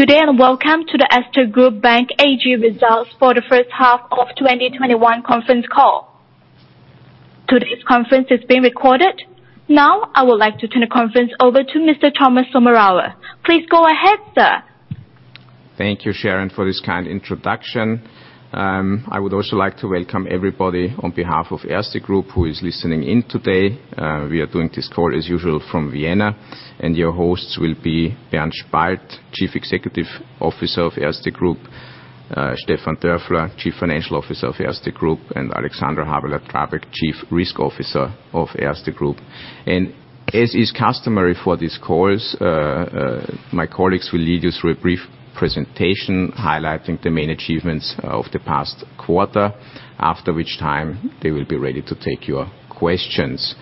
Good day, and welcome to the Erste Group Bank AG Results for the First Half of 2021 Conference Call. Today's conference is being recorded. Now, I would like to turn the conference over to Mr. Thomas Sommerauer. Please go ahead, sir. Thank you, Sharon, for this kind introduction. I would also like to welcome everybody on behalf of Erste Group who is listening in today. We are doing this call as usual from Vienna, and your hosts will be Bernd Spalt, Chief Executive Officer of Erste Group, Stefan Dörfler, Chief Financial Officer of Erste Group, and Alexandra Habeler-Drabek, Chief Risk Officer of Erste Group. As is customary for these calls, my colleagues will lead you through a brief presentation highlighting the main achievements of the past quarter, after which time they will be ready to take your questions.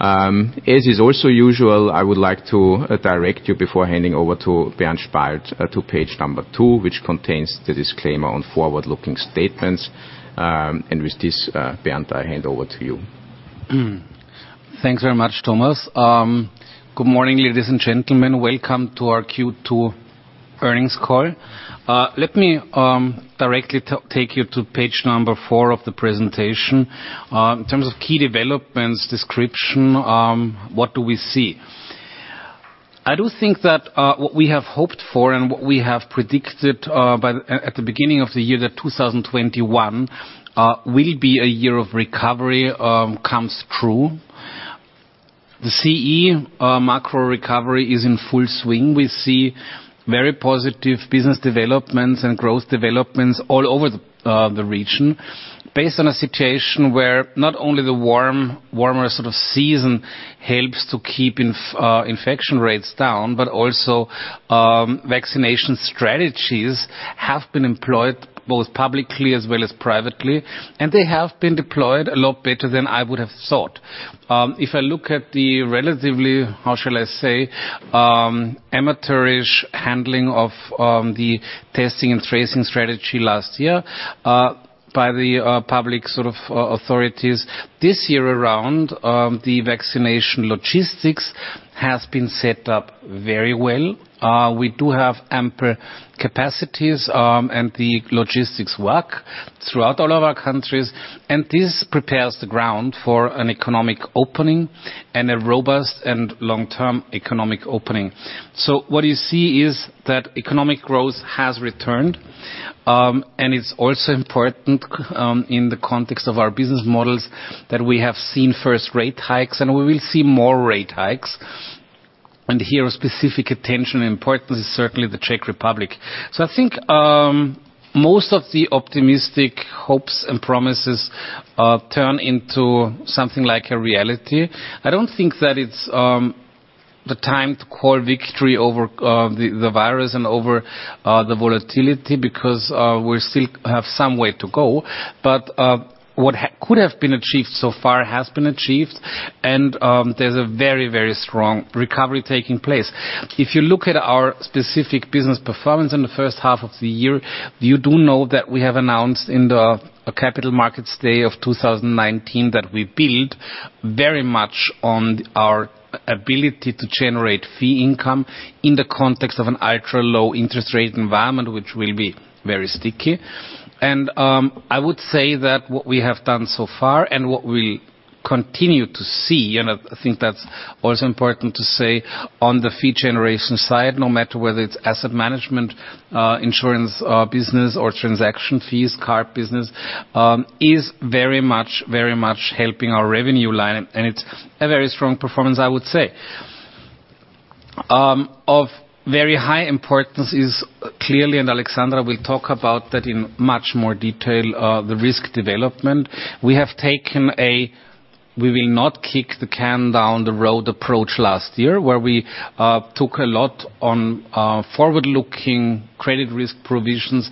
As is also usual, I would like to direct you before handing over to Bernd Spalt to page number two, which contains the disclaimer on forward-looking statements. With this, Bernd, I hand over to you. Thanks very much, Thomas. Good morning, ladies and gentlemen. Welcome to our Q2 earnings call. Let me directly take you to page number four of the presentation. In terms of key developments description, what do we see? I do think that what we have hoped for and what we have predicted at the beginning of the year, that 2021 will be a year of recovery, comes true. The CEE macro recovery is in full swing. We see very positive business developments and growth developments all over the region based on a situation where not only the warmer sort of season helps to keep infection rates down, but also vaccination strategies have been employed both publicly as well as privately, and they have been deployed a lot better than I would have thought. If I look at the relatively, how shall I say, amateurish handling of the testing and tracing strategy last year by the public sort of authorities, this year around, the vaccination logistics has been set up very well. We do have ample capacities, and the logistics work throughout all of our countries, and this prepares the ground for an economic opening and a robust and long-term economic opening. What you see is that economic growth has returned, and it's also important in the context of our business models that we have seen first rate hikes, and we will see more rate hikes. Here, a specific attention importance is certainly the Czech Republic. I think most of the optimistic hopes and promises turn into something like a reality. I don't think that it's the time to call victory over the virus and over the volatility because we still have some way to go. What could have been achieved so far has been achieved, and there's a very, very strong recovery taking place. If you look at our specific business performance in the first half of the year, you do know that we have announced in the Capital Markets Day of 2019 that we build very much on our ability to generate fee income in the context of an ultra-low interest rate environment, which will be very sticky. I would say that what we have done so far and what we continue to see, and I think that's also important to say on the fee generation side, no matter whether it's asset management, insurance business, or transaction fees, card business, is very much helping our revenue line. It's a very strong performance, I would say. Of very high importance is clearly, and Alexandra Habeler-Drabek will talk about that in much more detail, the risk development. We have taken a we-will-not-kick-the-can-down-the-road approach last year, where we took a lot on forward-looking credit risk provisions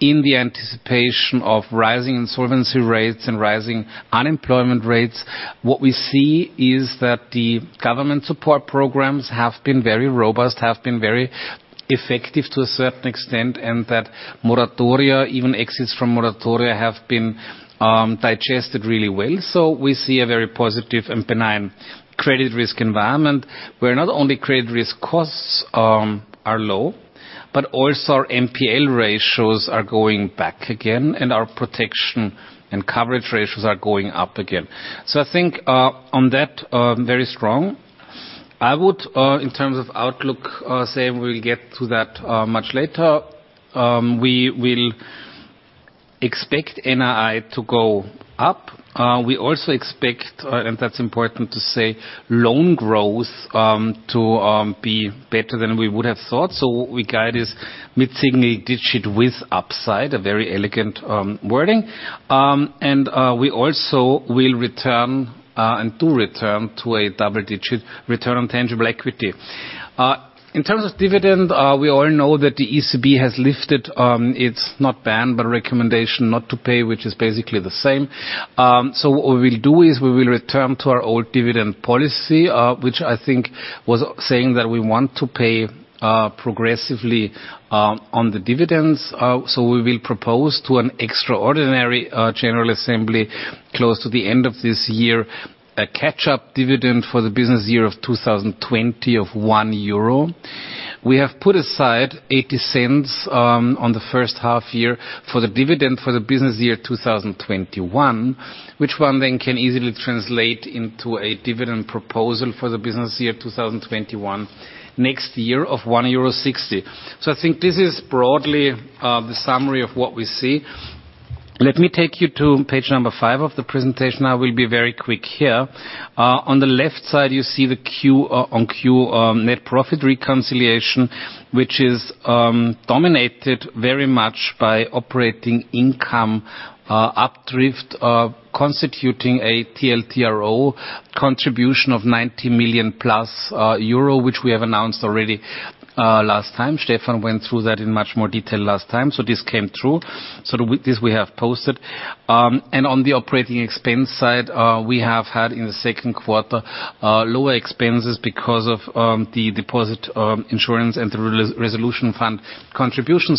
in the anticipation of rising insolvency rates and rising unemployment rates. What we see is that the government support programs have been very robust, have been very effective to a certain extent, and that moratoria, even exits from moratoria, have been digested really well. We see a very positive and benign credit risk environment where not only credit risk costs are low, but also our NPL ratios are going back again, and our protection and coverage ratios are going up again. I think on that, very strong. I would, in terms of outlook, say we'll get to that much later. We will expect NII to go up. We also expect, and that's important to say, loan growth to be better than we would have thought. What we guide is mid-single digit with upside, a very elegant wording. We also will return and do return to a double-digit return on tangible equity. In terms of dividend, we all know that the ECB has lifted its, not ban, but recommendation not to pay, which is basically the same. What we will do is we will return to our old dividend policy, which I think was saying that we want to pay progressively on the dividends. We will propose to an extraordinary general assembly close to the end of this year, a catch-up dividend for the business year of 2020 of 1 euro. We have put aside 0.80 on the first half year for the dividend for the business year 2021, which one then can easily translate into a dividend proposal for the business year 2021 next year of 1.60 euro. I think this is broadly the summary of what we see. Let me take you to page number five of the presentation. I will be very quick here. On the left side, you see the Q on Q net profit reconciliation, which is dominated very much by operating income up drift, constituting a TLTRO contribution of 90 million euro plus, which we have announced already last time. Stefan went through that in much more detail last time. This came through. This we have posted. On the operating expense side, we have had in the second quarter, lower expenses because of the deposit insurance and the resolution fund contribution.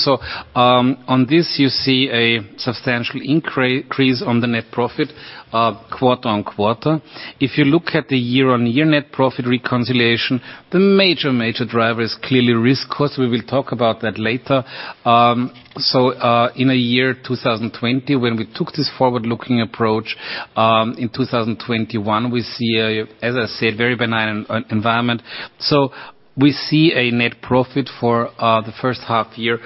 On this, you see a substantial increase on the net profit, quarter on quarter. If you look at the year-on-year net profit reconciliation, the major driver is clearly risk cost. We will talk about that later. In the year 2020, when we took this forward-looking approach, in 2021, we see, as I said, very benign environment. We see a net profit for the first half year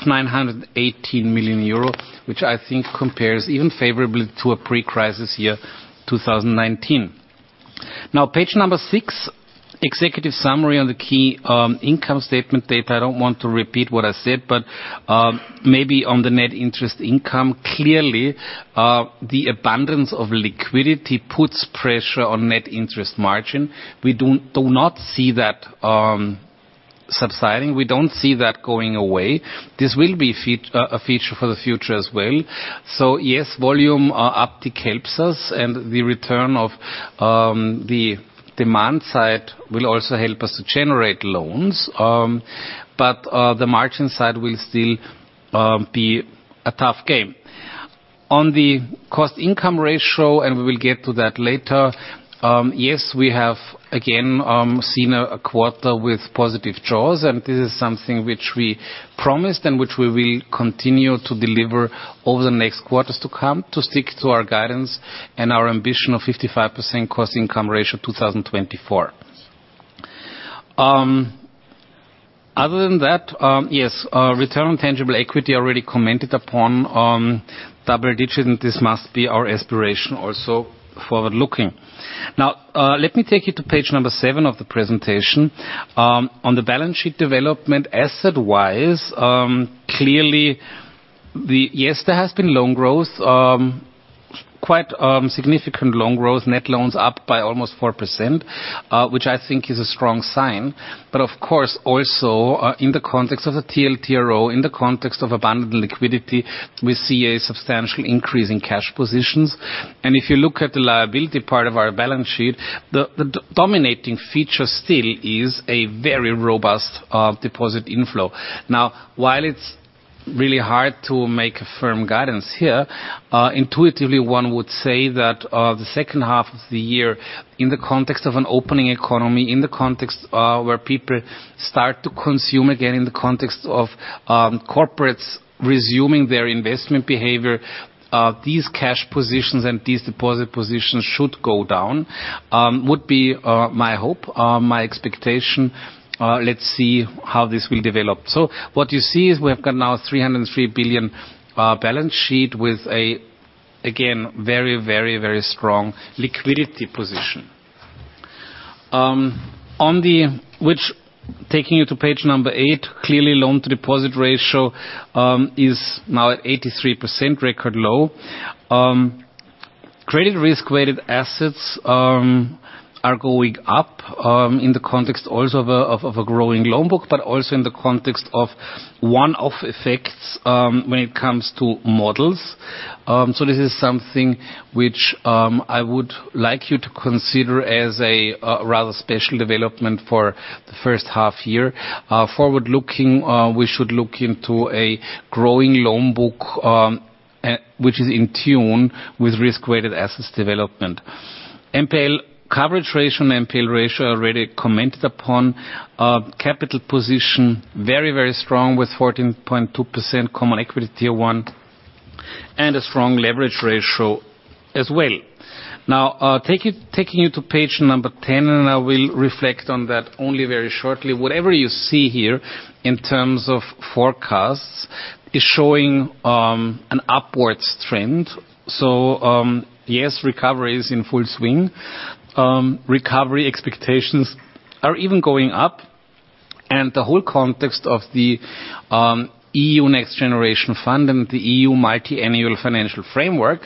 of 918 million euro, which I think compares even favorably to a pre-crisis year, 2019. Page number six, executive summary on the key income statement data. I don't want to repeat what I said, but maybe on the net interest income, clearly, the abundance of liquidity puts pressure on net interest margin. We do not see that subsiding. We don't see that going away. This will be a feature for the future as well. Yes, volume uptick helps us, and the return of the demand side will also help us to generate loans. The margin side will still be a tough game. On the cost-income ratio, and we will get to that later, yes, we have again, seen a quarter with positive jaws, and this is something which we promised and which we will continue to deliver over the next quarters to come to stick to our guidance and our ambition of 55% cost-income ratio 2024. Other than that, yes, return on tangible equity, I already commented upon double digits, and this must be our aspiration also forward-looking. Let me take you to page number seven of the presentation. On the balance sheet development asset-wise, clearly, yes, there has been loan growth, quite significant loan growth, net loans up by almost 4%, which I think is a strong sign. Of course, also in the context of a TLTRO, in the context of abundant liquidity, we see a substantial increase in cash positions. If you look at the liability part of our balance sheet, the dominating feature still is a very robust deposit inflow. While it's really hard to make a firm guidance here, intuitively one would say that the second half of the year in the context of an opening economy, in the context where people start to consume again, in the context of corporates resuming their investment behavior, these cash positions and these deposit positions should go down, would be my hope, my expectation. Let's see how this will develop. What you see is we have got now 303 billion balance sheet with a, again, very strong liquidity position. Taking you to page number eight, clearly loan-to-deposit ratio is now at 83% record low. Credit risk-weighted assets are going up in the context also of a growing loan book, but also in the context of one-off effects when it comes to models. This is something which I would like you to consider as a rather special development for the first half year. Forward looking, we should look into a growing loan book, which is in tune with risk-weighted assets development. NPL coverage ratio, NPL ratio, already commented upon. Capital position, very strong with 14.2% common equity tier one and a strong leverage ratio as well. Taking you to page number 10, and I will reflect on that only very shortly. Whatever you see here in terms of forecasts is showing an upwards trend. Yes, recovery is in full swing. Recovery expectations are even going up, the whole context of Next Generation EU and the EU Multiannual Financial Framework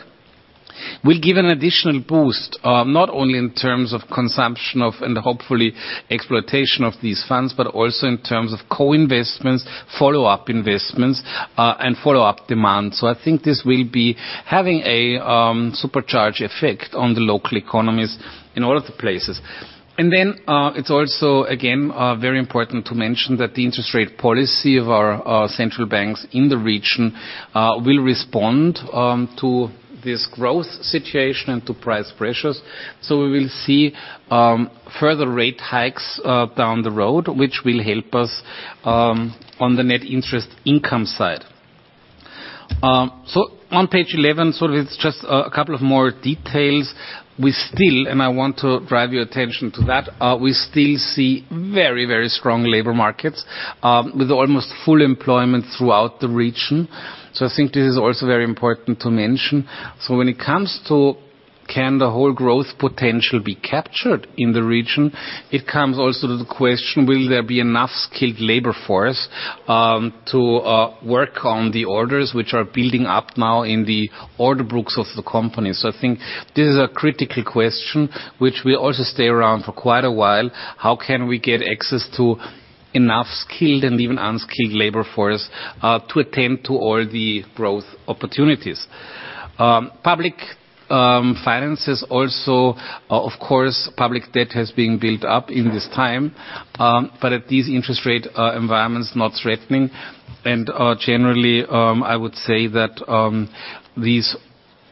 will give an additional boost, not only in terms of consumption of, and hopefully exploitation of these funds, but also in terms of co-investments, follow-up investments, and follow-up demand. I think this will be having a supercharge effect on the local economies in all of the places. It's also, again, very important to mention that the interest rate policy of our central banks in the region will respond to this growth situation and to price pressures. We will see further rate hikes down the road, which will help us on the net interest income side. On page 11, it's just a couple of more details. We still, and I want to drive your attention to that, we still see very, very strong labor markets, with almost full employment throughout the region. I think this is also very important to mention. When it comes to can the whole growth potential be captured in the region, it comes also to the question, will there be enough skilled labor force to work on the orders which are building up now in the order books of the company? I think this is a critical question, which will also stay around for quite a while. How can we get access to enough skilled and even unskilled labor force to attend to all the growth opportunities? Public finances also, of course, public debt has been built up in this time, but at these interest rate environments not threatening. Generally, I would say that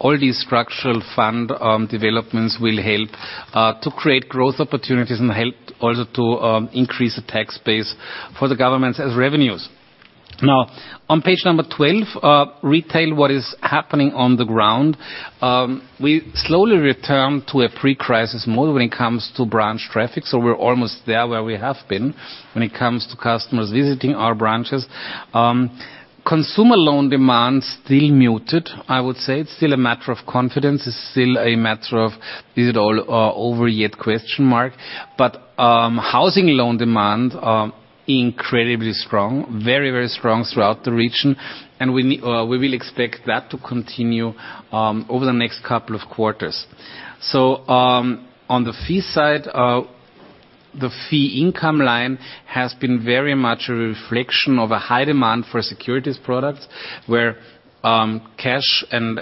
all these structural fund developments will help to create growth opportunities and help also to increase the tax base for the governments as revenues. Now on page number 12, retail, what is happening on the ground. We slowly return to a pre-crisis model when it comes to branch traffic. We're almost there where we have been when it comes to customers visiting our branches. Consumer loan demand still muted, I would say. It's still a matter of confidence. It's still a matter of is it all over yet? Housing loan demand, incredibly strong, very strong throughout the region. We will expect that to continue over the next couple of quarters. On the fee side, the fee income line has been very much a reflection of a high demand for securities products where cash and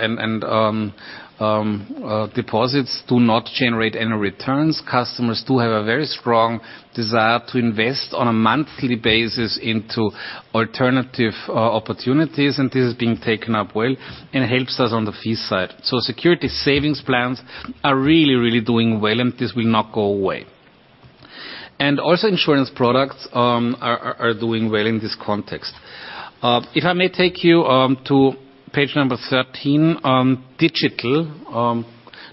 deposits do not generate any returns. Customers do have a very strong desire to invest on a monthly basis into alternative opportunities, and this is being taken up well and helps us on the fee side. Security savings plans are really doing well, and this will not go away. Also insurance products are doing well in this context. If I may take you to page number 13 on digital.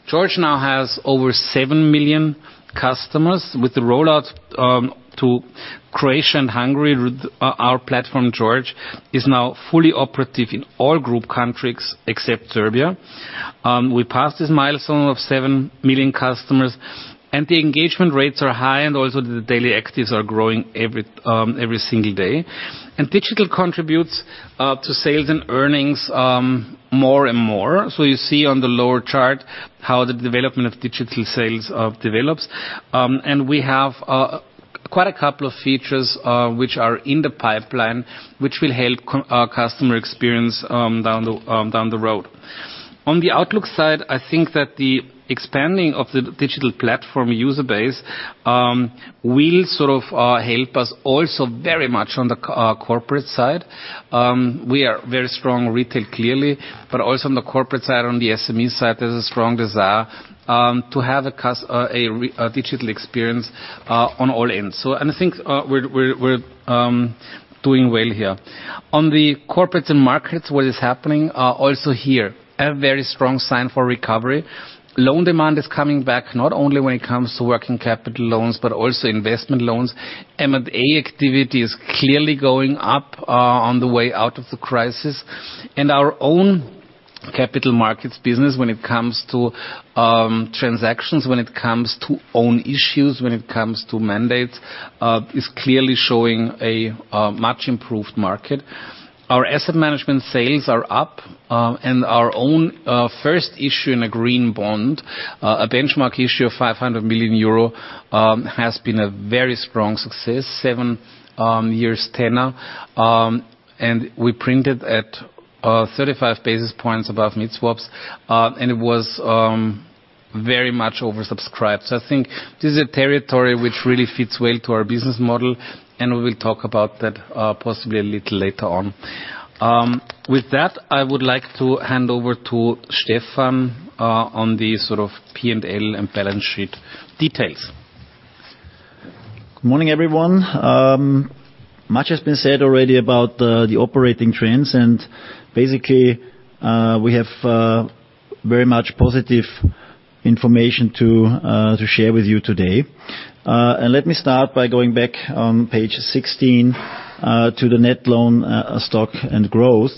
George now has over 7 million customers with the rollout to Croatia and Hungary. Our platform, George, is now fully operative in all group countries except Serbia. We passed this milestone of 7 million customers, and the engagement rates are high and also the daily actives are growing every single day. Digital contributes to sales and earnings more and more. You see on the lower chart how the development of digital sales develops. We have quite a couple of features which are in the pipeline, which will help our customer experience down the road. On the outlook side, I think that the expanding of the digital platform user base will sort of help us also very much on the corporate side. We are very strong retail clearly, but also on the corporate side, on the SME side, there's a strong desire to have a digital experience on all ends. I think we're doing well here. On the corporate and markets, what is happening are also here a very strong sign for recovery. Loan demand is coming back not only when it comes to working capital loans, but also investment loans. M&A activity is clearly going up on the way out of the crisis. Our own capital markets business when it comes to transactions, when it comes to own issues, when it comes to mandates, is clearly showing a much improved market. Our asset management sales are up, and our own first issue in a green bond, a benchmark issue of 500 million euro, has been a very strong success seven years tenor. We printed at 35 basis points above mid-swaps, and it was very much oversubscribed. I think this is a territory which really fits well to our business model, and we will talk about that possibly a little later on. With that, I would like to hand over to Stefan on the sort of P&L and balance sheet details. Good morning, everyone. Much has been said already about the operating trends, basically, we have very much positive information to share with you today. Let me start by going back on page 16, to the net loan stock and growth.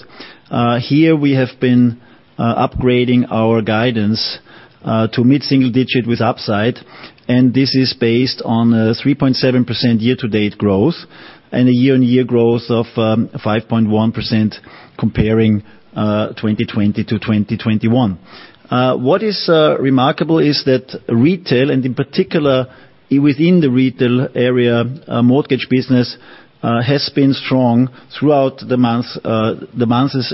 Here we have been upgrading our guidance to mid-single digit with upside, and this is based on a 3.7% year-to-date growth and a year-on-year growth of 5.1% comparing 2020 to 2021. What is remarkable is that retail and in particular within the retail area, mortgage business has been strong throughout the months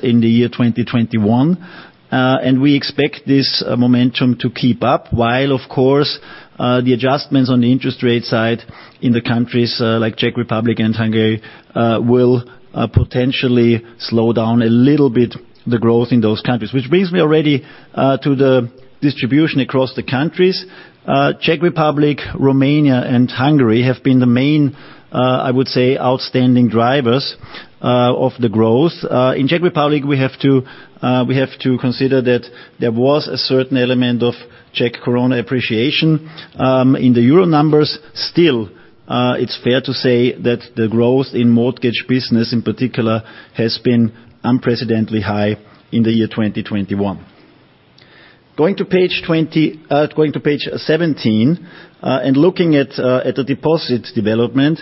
in the year 2021. We expect this momentum to keep up, while of course, the adjustments on the interest rate side in the countries like Czech Republic and Hungary will potentially slow down a little bit the growth in those countries. Which brings me already to the distribution across the countries. Czech Republic, Romania, and Hungary have been the main, I would say, outstanding drivers of the growth. In Czech Republic, we have to consider that there was a certain element of Czech koruna appreciation in the EUR numbers. Still, it's fair to say that the growth in mortgage business in particular has been unprecedentedly high in the year 2021. Going to page 17, looking at the deposit development.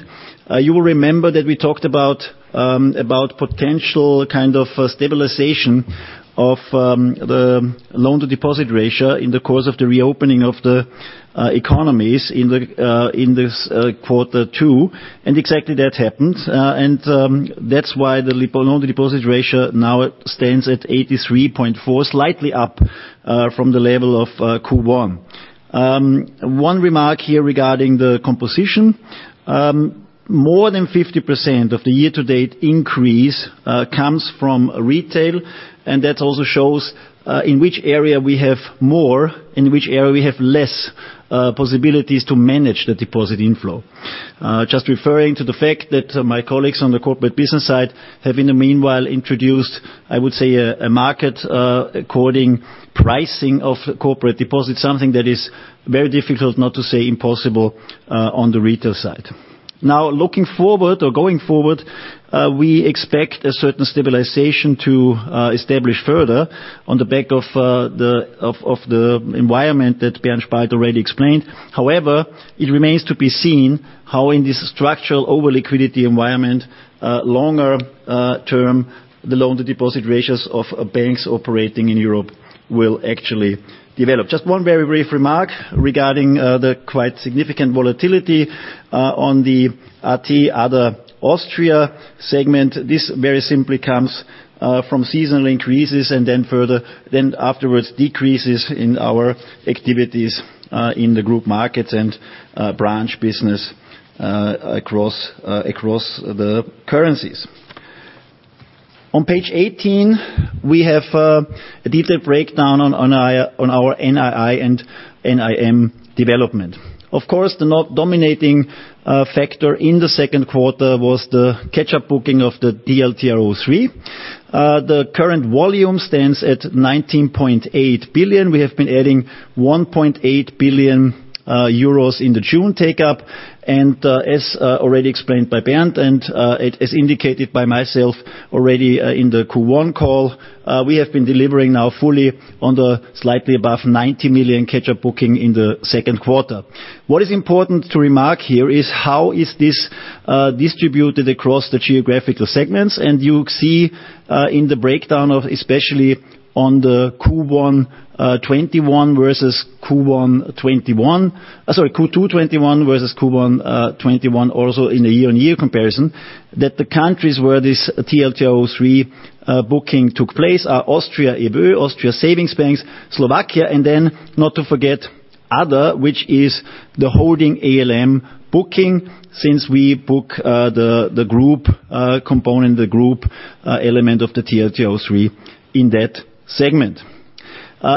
You will remember that we talked about potential kind of stabilization of the loan-to-deposit ratio in the course of the reopening of the economies in this quarter two. Exactly that happened. That's why the loan-to-deposit ratio now stands at 83.4%, slightly up from the level of Q1. One remark here regarding the composition, more than 50% of the year-to-date increase comes from retail, and that also shows in which area we have more, and which area we have less possibilities to manage the deposit inflow. Just referring to the fact that my colleagues on the corporate business side have, in the meanwhile, introduced, I would say, a market according pricing of corporate deposits, something that is very difficult, not to say impossible on the retail side. Looking forward or going forward, we expect a certain stabilization to establish further on the back of the environment that Bernd Spalt already explained. However, it remains to be seen how in this structural over-liquidity environment longer term, the loan-to-deposit ratios of banks operating in Europe will actually develop. Just one very brief remark regarding the quite significant volatility on the AT, Other Austria segment. This very simply comes from seasonal increases and then afterwards decreases in our activities in the group markets and branch business across the currencies. On page 18, we have a detailed breakdown on our NII and NIM development. Of course, the not dominating factor in the second quarter was the catch-up booking of the TLTRO III. The current volume stands at 19.8 billion. We have been adding 1.8 billion euros in the June take-up, and as already explained by Bernd and as indicated by myself already in the Q1 call, we have been delivering now fully on the slightly above 90 million catch-up booking in the second quarter. What is important to remark here is how is this distributed across the geographical segments. You see in the breakdown of, especially on the [inaudible] also in the year-on-year comparison, that the countries where this TLTRO III booking took place are Austria OeEB, Austria Savings Banks, Slovakia, and then not to forget Other, which is the holding ALM booking since we book the group component, the group element of the TLTRO III in that segment.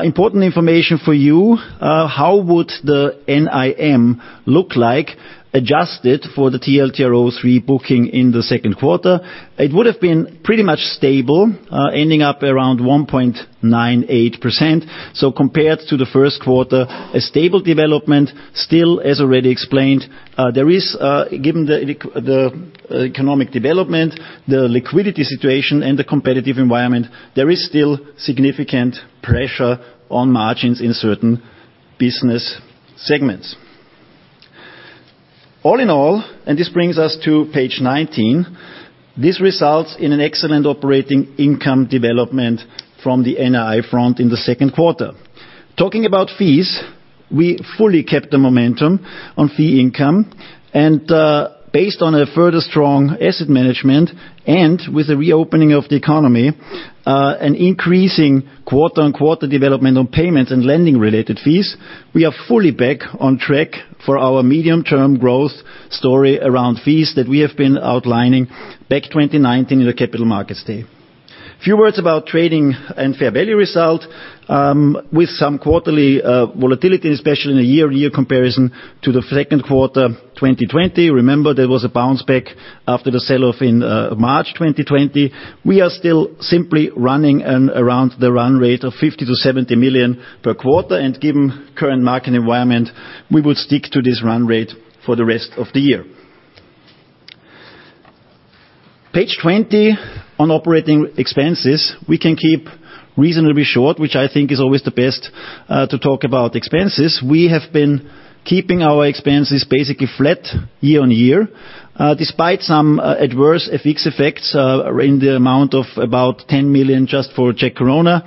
Important information for you, how would the NIM look like adjusted for the TLTRO III booking in the second quarter? It would have been pretty much stable, ending up around 1.98%. Compared to the first quarter, a stable development. Still, as already explained given the economic development, the liquidity situation, and the competitive environment, there is still significant pressure on margins in certain business segments. All in all, and this brings us to page 19, this results in an excellent operating income development from the NII front in the second quarter. Talking about fees, we fully kept the momentum on fee income. Based on a further strong asset management and with the reopening of the economy, an increasing quarter-on-quarter development on payments and lending-related fees, we are fully back on track for our medium-term growth story around fees that we have been outlining back 2019 in the Capital Markets Day. A few words about trading and fair value result with some quarterly volatility, especially in the year-on-year comparison to the second quarter 2020. Remember, there was a bounce back after the sell-off in March 2020. We are still simply running around the run rate of 50 million-70 million per quarter. Given current market environment, we will stick to this run rate for the rest of the year. Page 20 on operating expenses, we can keep reasonably short, which I think is always the best to talk about expenses. We have been keeping our expenses basically flat year-on-year, despite some adverse FX effects in the amount of about 10 million just for Czech koruna.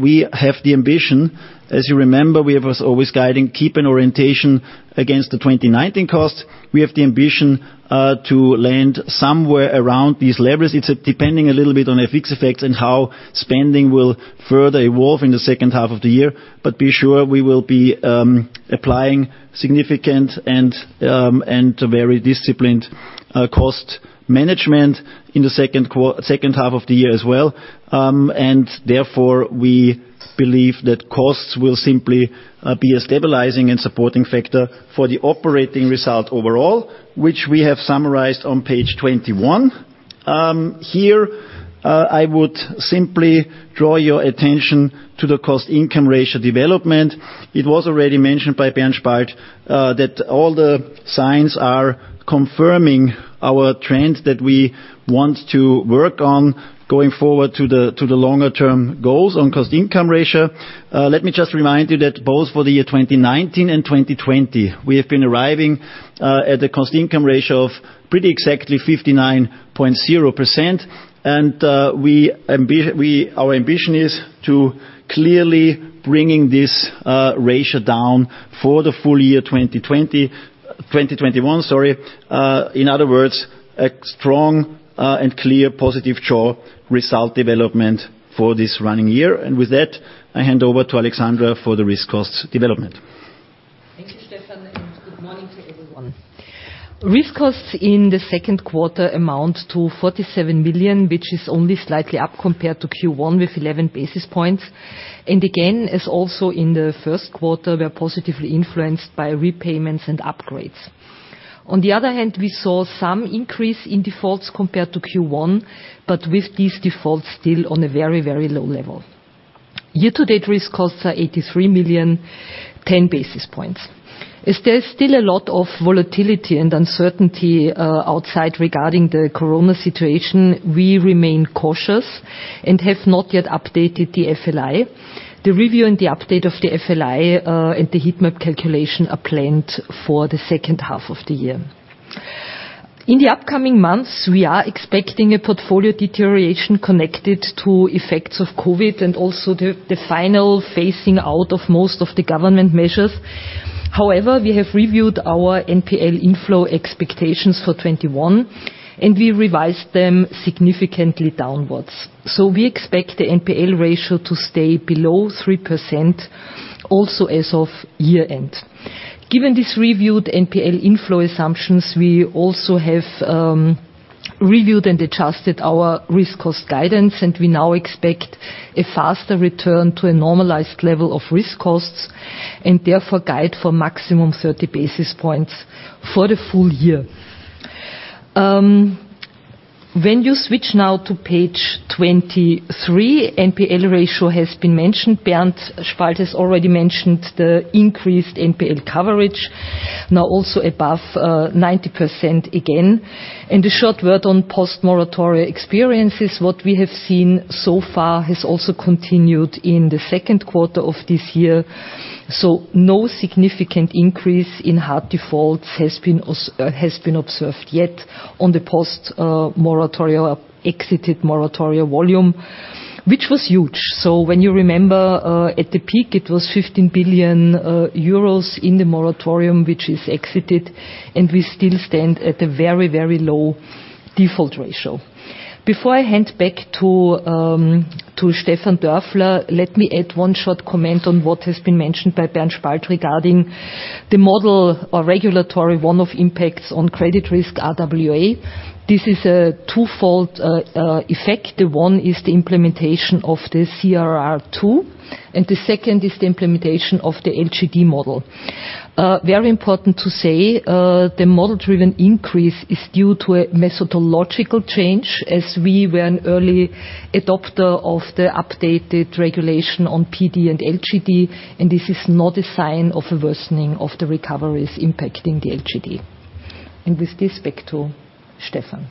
We have the ambition, as you remember, we have as always guiding, keep an orientation against the 2019 cost. We have the ambition to land somewhere around these levels. It's depending a little bit on FX effects and how spending will further evolve in the second half of the year, but be sure we will be applying significant and very disciplined cost management in the second half of the year as well. Therefore, we believe that costs will simply be a stabilizing and supporting factor for the operating result overall, which we have summarized on page 21. Here I would simply draw your attention to the cost-income ratio development. It was already mentioned by Bernd Spalt that all the signs are confirming our trends that we want to work on going forward to the longer-term goals on cost-income ratio. Let me just remind you that both for the year 2019 and 2020, we have been arriving at the cost-income ratio of pretty exactly 59.0%, and our ambition is to clearly bringing this ratio down for the full year 2021. In other words, a strong and clear positive core result development for this running year. With that, I hand over to Alexandra for the risk cost development. Thank you, Stefan. Good morning to everyone. Risk costs in the second quarter amount to 47 million, which is only slightly up compared to Q1 with 11 basis points. Again, as also in the first quarter, we are positively influenced by repayments and upgrades. On the other hand, we saw some increase in defaults compared to Q1, but with these defaults still on a very low level. Year-to-date risk costs are 83 million, 10 basis points. As there's still a lot of volatility and uncertainty outside regarding the COVID situation, we remain cautious and have not yet updated the FLI. The review and the update of the FLI and the heatmap calculation are planned for the second half of the year. In the upcoming months, we are expecting a portfolio deterioration connected to effects of COVID and also the final phasing out of most of the government measures. We have reviewed our NPL inflow expectations for 2021. We revised them significantly downwards. We expect the NPL ratio to stay below 3% also as of year-end. Given this reviewed NPL inflow assumptions, we also have reviewed and adjusted our risk cost guidance. We now expect a faster return to a normalized level of risk costs, therefore guide for maximum 30 basis points for the full year. When you switch now to page 23, NPL ratio has been mentioned. Bernd Spalt has already mentioned the increased NPL coverage, now also above 90% again. A short word on post-moratoria experiences. What we have seen so far has also continued in the second quarter of this year. No significant increase in hard defaults has been observed yet on the post-moratoria, exited moratoria volume, which was huge. When you remember, at the peak, it was 15 billion euros in the moratorium, which is exited, and we still stand at a very low default ratio. Before I hand back to Stefan Dörfler, let me add one short comment on what has been mentioned by Bernd Spalt regarding the model or regulatory one-off impacts on credit risk RWA. This is a twofold effect. One is the implementation of the CRR2, and the second is the implementation of the LGD model. Very important to say, the model-driven increase is due to a methodological change as we were an early adopter of the updated regulation on PD and LGD, and this is not a sign of a worsening of the recoveries impacting the LGD. With this, back to Stefan.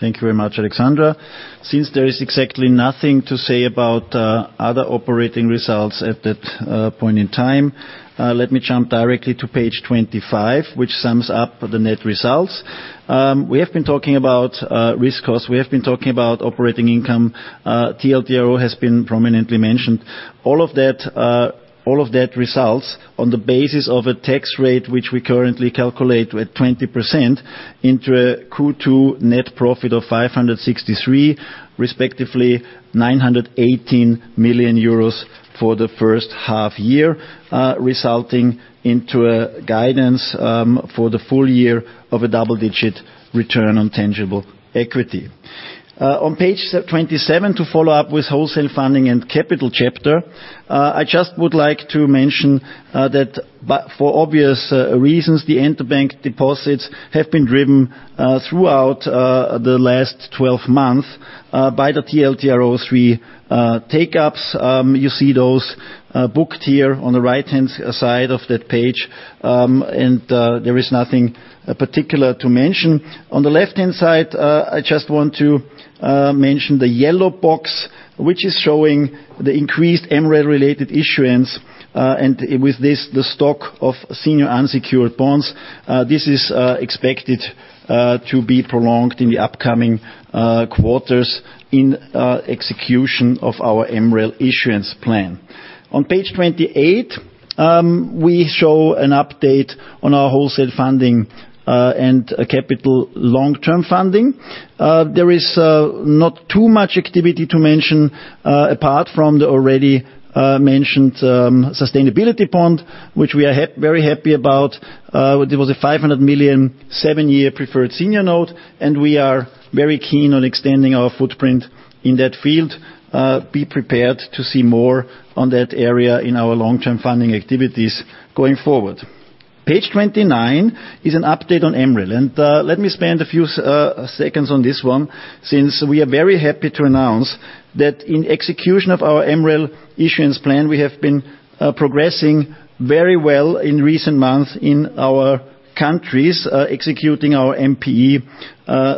Thank you very much, Alexandra. Since there is exactly nothing to say about other operating results at that point in time, let me jump directly to page 25, which sums up the net results. We have been talking about risk costs. We have been talking about operating income. TLTRO has been prominently mentioned. All of that results on the basis of a tax rate, which we currently calculate at 20%, into a Q2 net profit of 563 million, respectively 918 million euros for the first half year, resulting into a guidance for the full year of a double-digit return on tangible equity. On page 27, to follow up with wholesale funding and capital chapter, I just would like to mention that for obvious reasons, the interbank deposits have been driven throughout the last 12 months by the TLTRO III take-ups. You see those booked here on the right-hand side of that page, and there is nothing particular to mention. On the left-hand side, I just want to mention the yellow box, which is showing the increased MREL-related issuance, and with this, the stock of senior unsecured bonds. This is expected to be prolonged in the upcoming quarters in execution of our MREL issuance plan. On page 28, we show an update on our wholesale funding, and capital long-term funding. There is not too much activity to mention apart from the already mentioned sustainability bond, which we are very happy about. There was a 500 million, seven-year preferred senior note, and we are very keen on extending our footprint in that field. Be prepared to see more on that area in our long-term funding activities going forward. Page 29 is an update on MREL. Let me spend a few seconds on this one, since we are very happy to announce that in execution of our MREL issuance plan, we have been progressing very well in recent months in our countries executing our NPE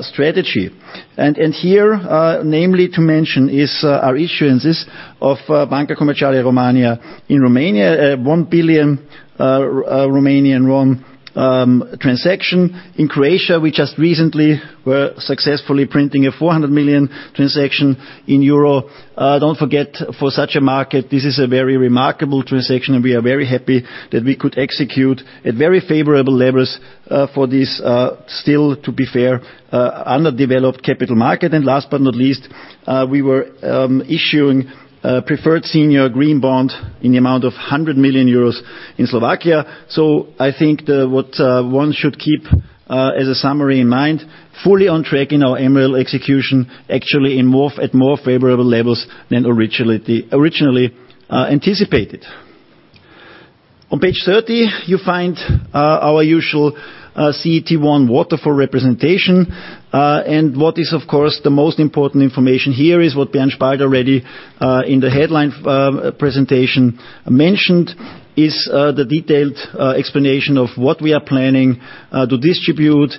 strategy. Here, namely to mention is our issuances of Banca Comercială Română in Romania, RON 1 billion transaction. In Croatia, we just recently were successfully printing a 400 million transaction. Don't forget, for such a market, this is a very remarkable transaction, and we are very happy that we could execute at very favorable levels for this, still to be fair, underdeveloped capital market. Last but not least, we were issuing preferred senior green bond in the amount of 100 million euros in Slovakia. I think what one should keep as a summary in mind, fully on track in our MREL execution, actually at more favorable levels than originally anticipated. On page 30, you find our usual CET1 waterfall representation. What is of course the most important information here is what Bernd Spalt already in the headline presentation mentioned, is the detailed explanation of what we are planning to distribute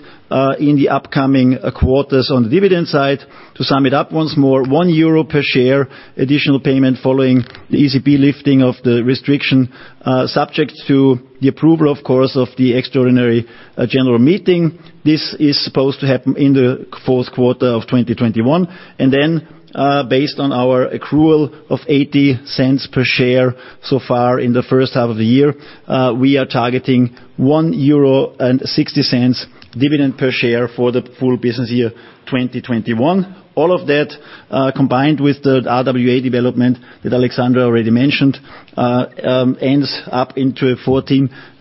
in the upcoming quarters on the dividend side. To sum it up once more, 1 euro per share additional payment following the ECB lifting of the restriction subject to the approval, of course, of the extraordinary general meeting. This is supposed to happen in the fourth quarter of 2021. Based on our accrual of 0.80 per share so far in the first half of the year, we are targeting 1.60 euro dividend per share for the full business year 2021. All of that combined with the RWA development that Alexandra already mentioned ends up into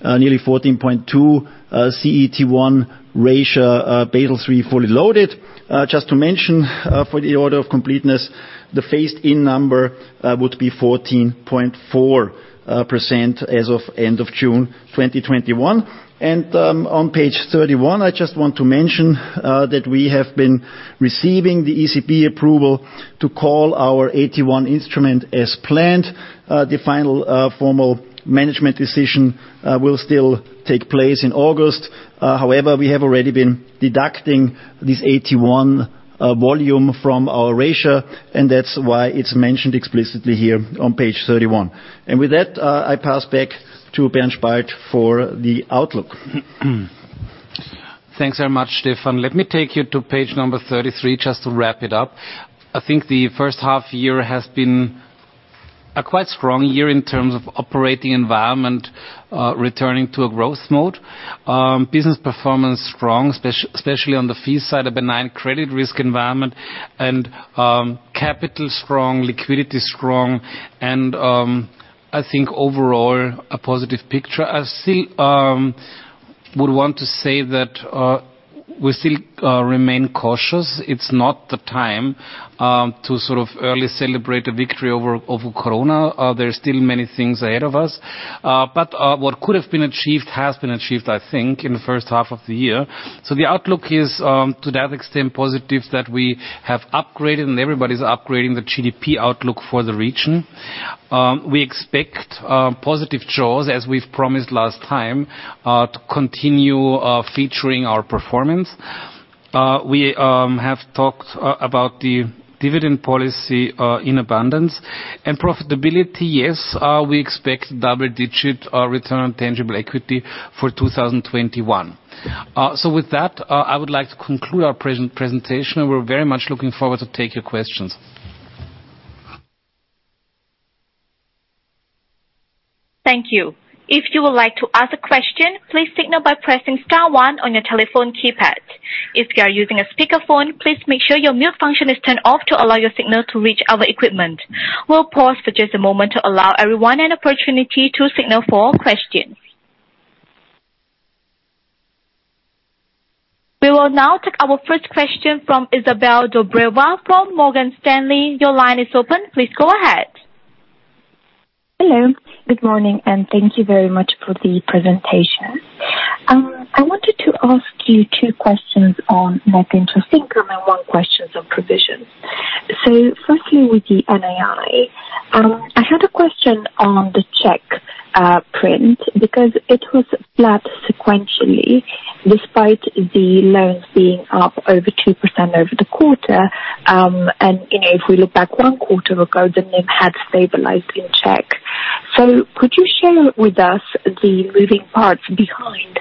a nearly 14.2% CET1 ratio, Basel III fully loaded. Just to mention for the order of completeness, the phased-in number would be 14.4% as of end of June 2021. On page 31, I just want to mention that we have been receiving the ECB approval to call our AT1 instrument as planned. The final formal management decision will still take place in August. However, we have already been deducting this AT1 volume from our ratio, and that's why it's mentioned explicitly here on page 31. With that, I pass back to Bernd Spalt for the outlook. Thanks very much, Stefan. Let me take you to page number 33 just to wrap it up. I think the first half year has been a quite strong year in terms of operating environment returning to a growth mode. Business performance strong, especially on the fee side, a benign credit risk environment. Capital strong, liquidity strong, and I think overall a positive picture. I still would want to say that we still remain cautious. It's not the time to sort of early celebrate a victory over COVID. There are still many things ahead of us. What could have been achieved has been achieved, I think, in the first half of the year. The outlook is to that extent positive that we have upgraded and everybody's upgrading the GDP outlook for the region. We expect positive jaws, as we've promised last time, to continue featuring our performance. We have talked about the dividend policy in abundance. Profitability, yes, we expect double-digit return on tangible equity for 2021. With that, I would like to conclude our presentation. We're very much looking forward to take your questions. Thank you. If you would like to ask a question, please signal by pressing star one on your telephone keypad. If you are using a speakerphone, please make sure your mute function is turned off to allow your signal to reach our equipment. We will pause for just a moment to allow everyone an opportunity to signal for questions. We will now take our first question from Izabel Dobreva from Morgan Stanley. Your line is open. Please go ahead. Hello. Good morning, thank you very much for the presentation. I wanted to ask you two questions on net interest income and one question on provision. Firstly with the NII, I had a question on the Czech NII because it was flat sequentially despite the loans being up over 2% over the quarter. If we look back one quarter ago, the NIM had stabilized in Czech. Could you share with us the moving parts behind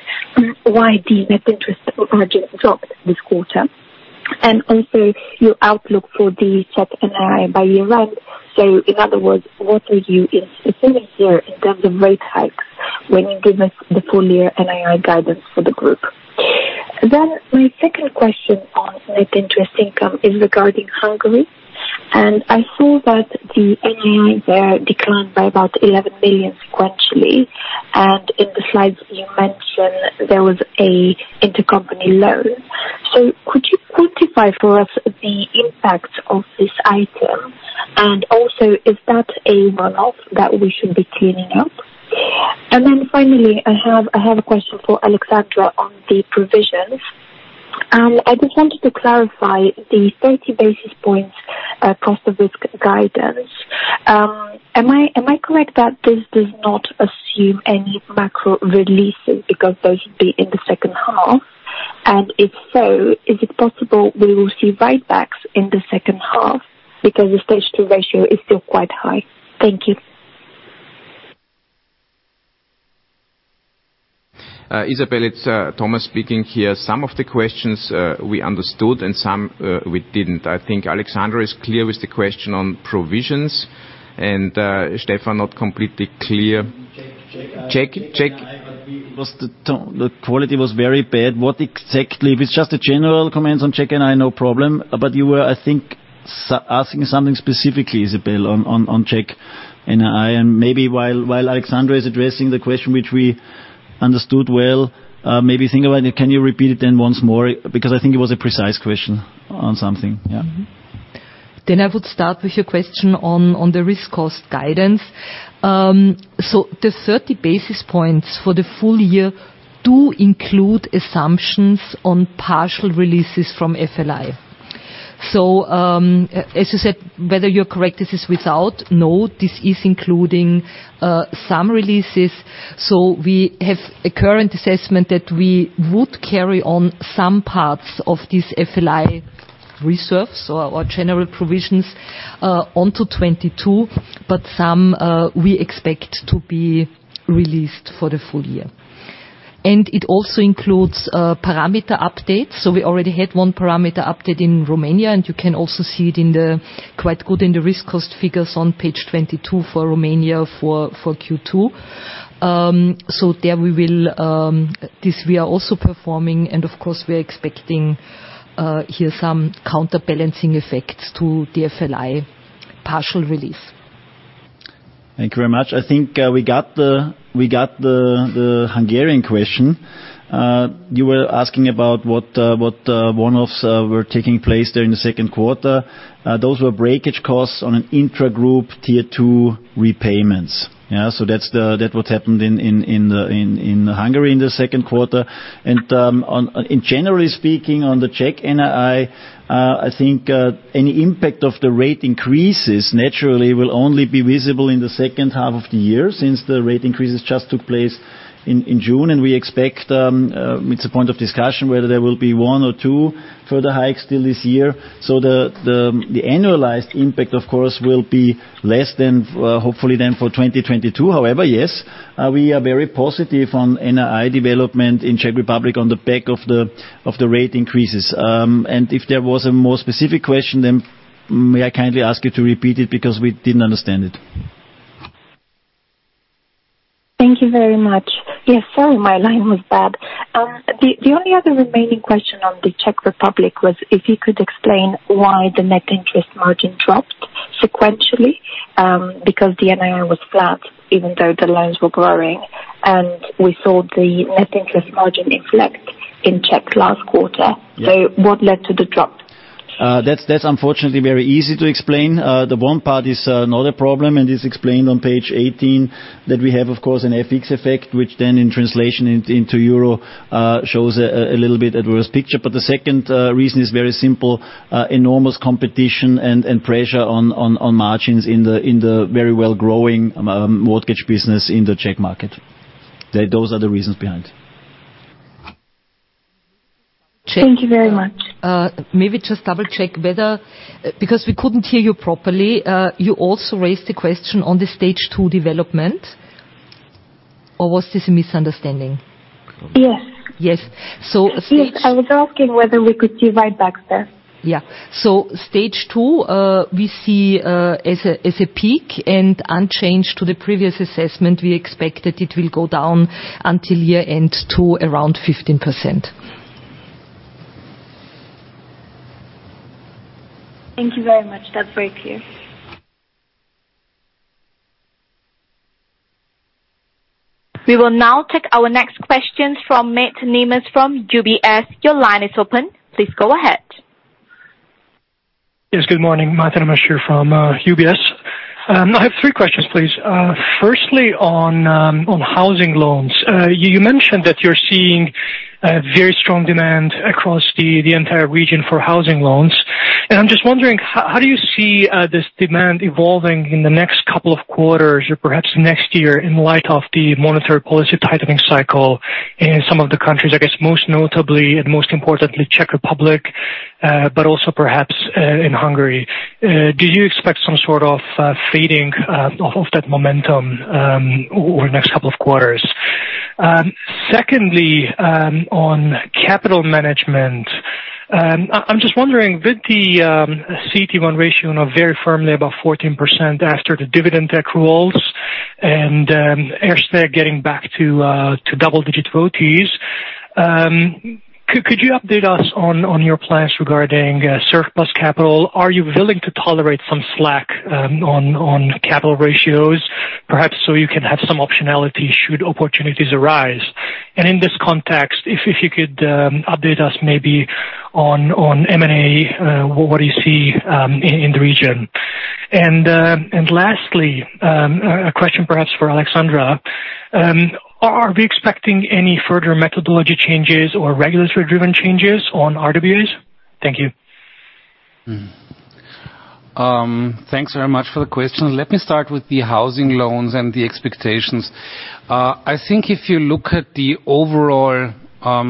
why the net interest margin dropped this quarter? Also your outlook for the Czech NII by year-end. In other words, what are you assuming here in terms of rate hike when you give us the full-year NII guidance for the group? My second question on net interest income is regarding Hungary. I saw that the NII there declined by about 11 million sequentially. In the slides you mentioned there was an intercompany loan. Could you quantify for us the impact of this item. Also, is that a one-off that we should be cleaning up? Finally, I have a question for Alexandra Habeler-Drabek on the provisions. I just wanted to clarify the 30 basis points across the risk guidance. Am I correct that this does not assume any macro releases because those will be in the second half? If so, is it possible we will see write backs in the second half because the Stage 2 ratio is still quite high. Thank you. Izabel, it's Thomas speaking here. Some of the questions we understood and some we didn't. I think Alexandra is clear with the question on provisions and Stefan not completely clear. Check. Check. The quality was very bad. What exactly? If it's just the general comments on Czech NII, no problem. You were, I think, asking something specifically, Izabel, on Czech NII. Maybe while Alexandra is addressing the question, which we understood well, maybe think about it. Can you repeat it then once more? I think it was a precise question on something. Yeah. I would start with your question on the risk cost guidance. The 30 basis points for the full year do include assumptions on partial releases from FLI. As you said, whether you're correct, this is including some releases. We have a current assessment that we would carry on some parts of these FLI reserves or general provisions, onto 2022, but some we expect to be released for the full year. It also includes parameter updates. We already had one parameter update in Romania, and you can also see it quite good in the risk cost figures on page 22 for Romania for Q2. There, we are also performing and of course, we are expecting here some counterbalancing effects to the FLI partial release. Thank you very much. I think we got the Hungarian question. You were asking about what one-offs were taking place there in the second quarter. Those were breakage costs on an intra-group Tier 2 repayments. That's what happened in Hungary in the second quarter. Generally speaking, on the Czech NII, I think any impact of the rate increases naturally will only be visible in the second half of the year since the rate increases just took place in June, and we expect, it's a point of discussion whether there will be one or two further hikes still this year. The annualized impact, of course, will be less than, hopefully than for 2022. However, yes, we are very positive on NII development in Czech Republic on the back of the rate increases. If there was a more specific question, may I kindly ask you to repeat it because we didn't understand it. Thank you very much. Yes, sorry, my line was bad. The only other remaining question on the Czech Republic was if you could explain why the net interest margin dropped sequentially, because the NII was flat even though the loans were growing, and we saw the net interest margin inflect in Czech last quarter. Yeah. What led to the drop? That's unfortunately very easy to explain. The one part is not a problem, and it is explained on page 18 that we have, of course, an FX effect, which then in translation into EUR, shows a little bit adverse picture. The second reason is very simple, enormous competition and pressure on margins in the very well-growing mortgage business in the Czech market. Those are the reasons behind. Thank you very much. Maybe just double check whether, because we couldn't hear you properly, you also raised the question on the Stage 2 development. Was this a misunderstanding? Yes. Yes. Yes, I was asking whether we could see write-backs there. Yeah. Stage 2, we see as a peak and unchanged to the previous assessment, we expect that it will go down until year-end to around 15%. Thank you very much. That's very clear. We will now take our next questions from Mate Nemes from UBS. Your line is open. Please go ahead. Good morning, Mate Nemes here from UBS. I have three questions, please. Firstly, on housing loans. You mentioned that you're seeing very strong demand across the entire region for housing loans, and I'm just wondering how do you see this demand evolving in the next couple of quarters or perhaps next year in light of the monetary policy tightening cycle in some of the countries, I guess most notably and most importantly, Czech Republic, but also perhaps in Hungary. Do you expect some sort of fading of that momentum over the next couple of quarters? Secondly, on capital management. I'm just wondering, with the CET1 ratio now very firmly above 14% after the dividend accruals and Erste getting back to double-digit ROTEs, could you update us on your plans regarding surplus capital? Are you willing to tolerate some slack on capital ratios? Perhaps so you can have some optionality should opportunities arise. In this context, if you could update us maybe on M&A, what do you see in the region? Lastly, a question perhaps for Alexandra. Are we expecting any further methodology changes or regulatory-driven changes on RWAs? Thank you. Thanks very much for the question. Let me start with the housing loans and the expectations. I think if you look at the overall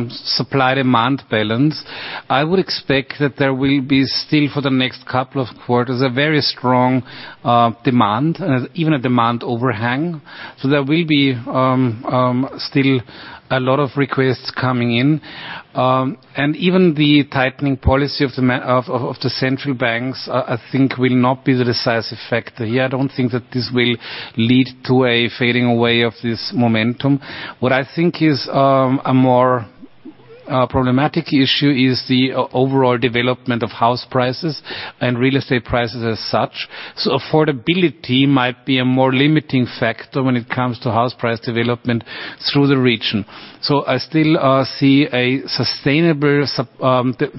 supply-demand balance, I would expect that there will be still, for the next couple of quarters, a very strong demand, even a demand overhang. There will be still a lot of requests coming in. Even the tightening policy of the central banks, I think, will not be the decisive factor here. I don't think that this will lead to a fading away of this momentum. What I think is a more problematic issue is the overall development of house prices and real estate prices as such. Affordability might be a more limiting factor when it comes to house price development through the region. I still see a sustainable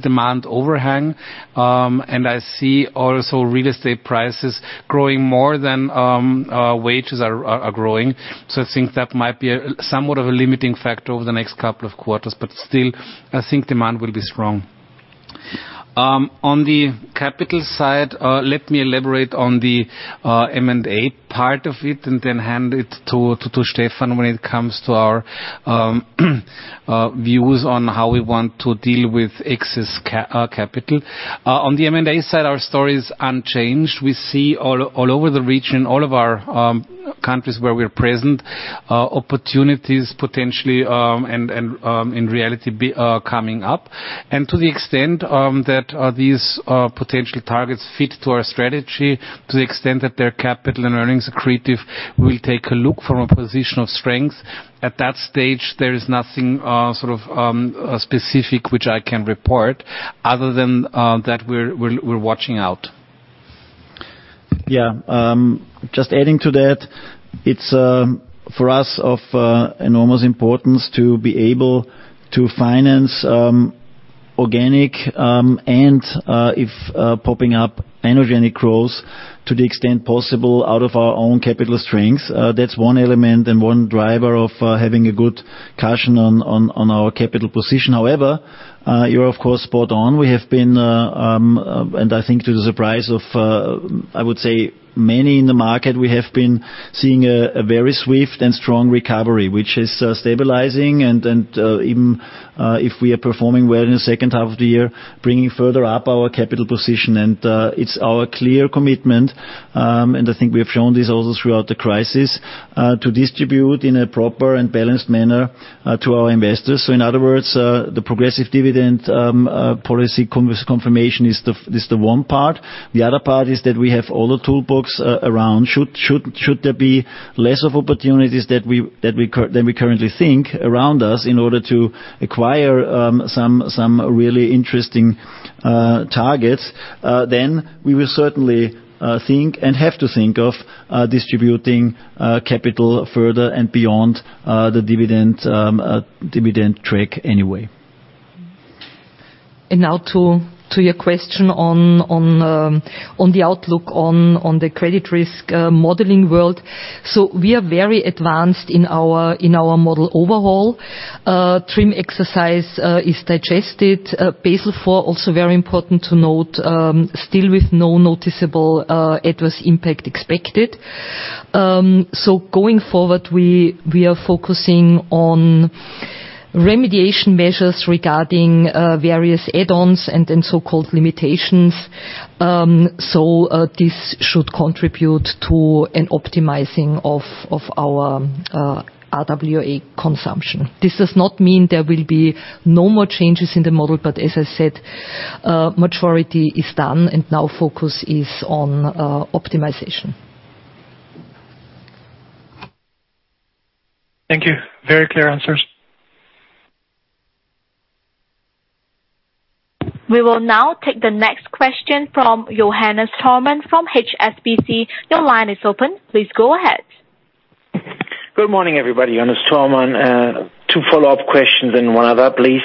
demand overhang, and I see also real estate prices growing more than wages are growing. I think that might be somewhat of a limiting factor over the next couple of quarters. Still, I think demand will be strong. On the capital side, let me elaborate on the M&A part of it and then hand it to Stefan when it comes to our views on how we want to deal with excess capital. On the M&A side, our story is unchanged. We see all over the region, all of our countries where we're present, opportunities potentially and in reality coming up. To the extent that these potential targets fit to our strategy, to the extent that they're capital and earnings accretive, we take a look from a position of strength. At that stage, there is nothing specific which I can report other than that we're watching out. Just adding to that, it's for us of enormous importance to be able to finance organic, and if popping up, anorganic growth to the extent possible out of our own capital strength. That's one element and one driver of having a good cushion on our capital position. You're of course spot on. We have been, and I think to the surprise of, I would say, many in the market, we have been seeing a very swift and strong recovery, which is stabilizing, and even if we are performing well in the second half of the year, bringing further up our capital position. It's our clear commitment, and I think we have shown this also throughout the crisis, to distribute in a proper and balanced manner to our investors. In other words, the progressive dividend policy confirmation is the one part. The other part is that we have all the toolbox around. Should there be less of opportunities than we currently think around us in order to acquire some really interesting targets, then we will certainly think and have to think of distributing capital further and beyond the dividend track anyway. Now to your question on the outlook on the credit risk modeling world. We are very advanced in our model overhaul. TRIM exercise is digested. Basel IV also very important to note, still with no noticeable adverse impact expected. Going forward, we are focusing on remediation measures regarding various add-ons and then so-called limitations. This should contribute to an optimizing of our RWA consumption. This does not mean there will be no more changes in the model, but as I said, majority is done, and now focus is on optimization. Thank you. Very clear answers. We will now take the next question from Johannes Thormann from HSBC. Your line is open. Please go ahead. Good morning, everybody. Johannes Thormann. Two follow-up questions and one other, please.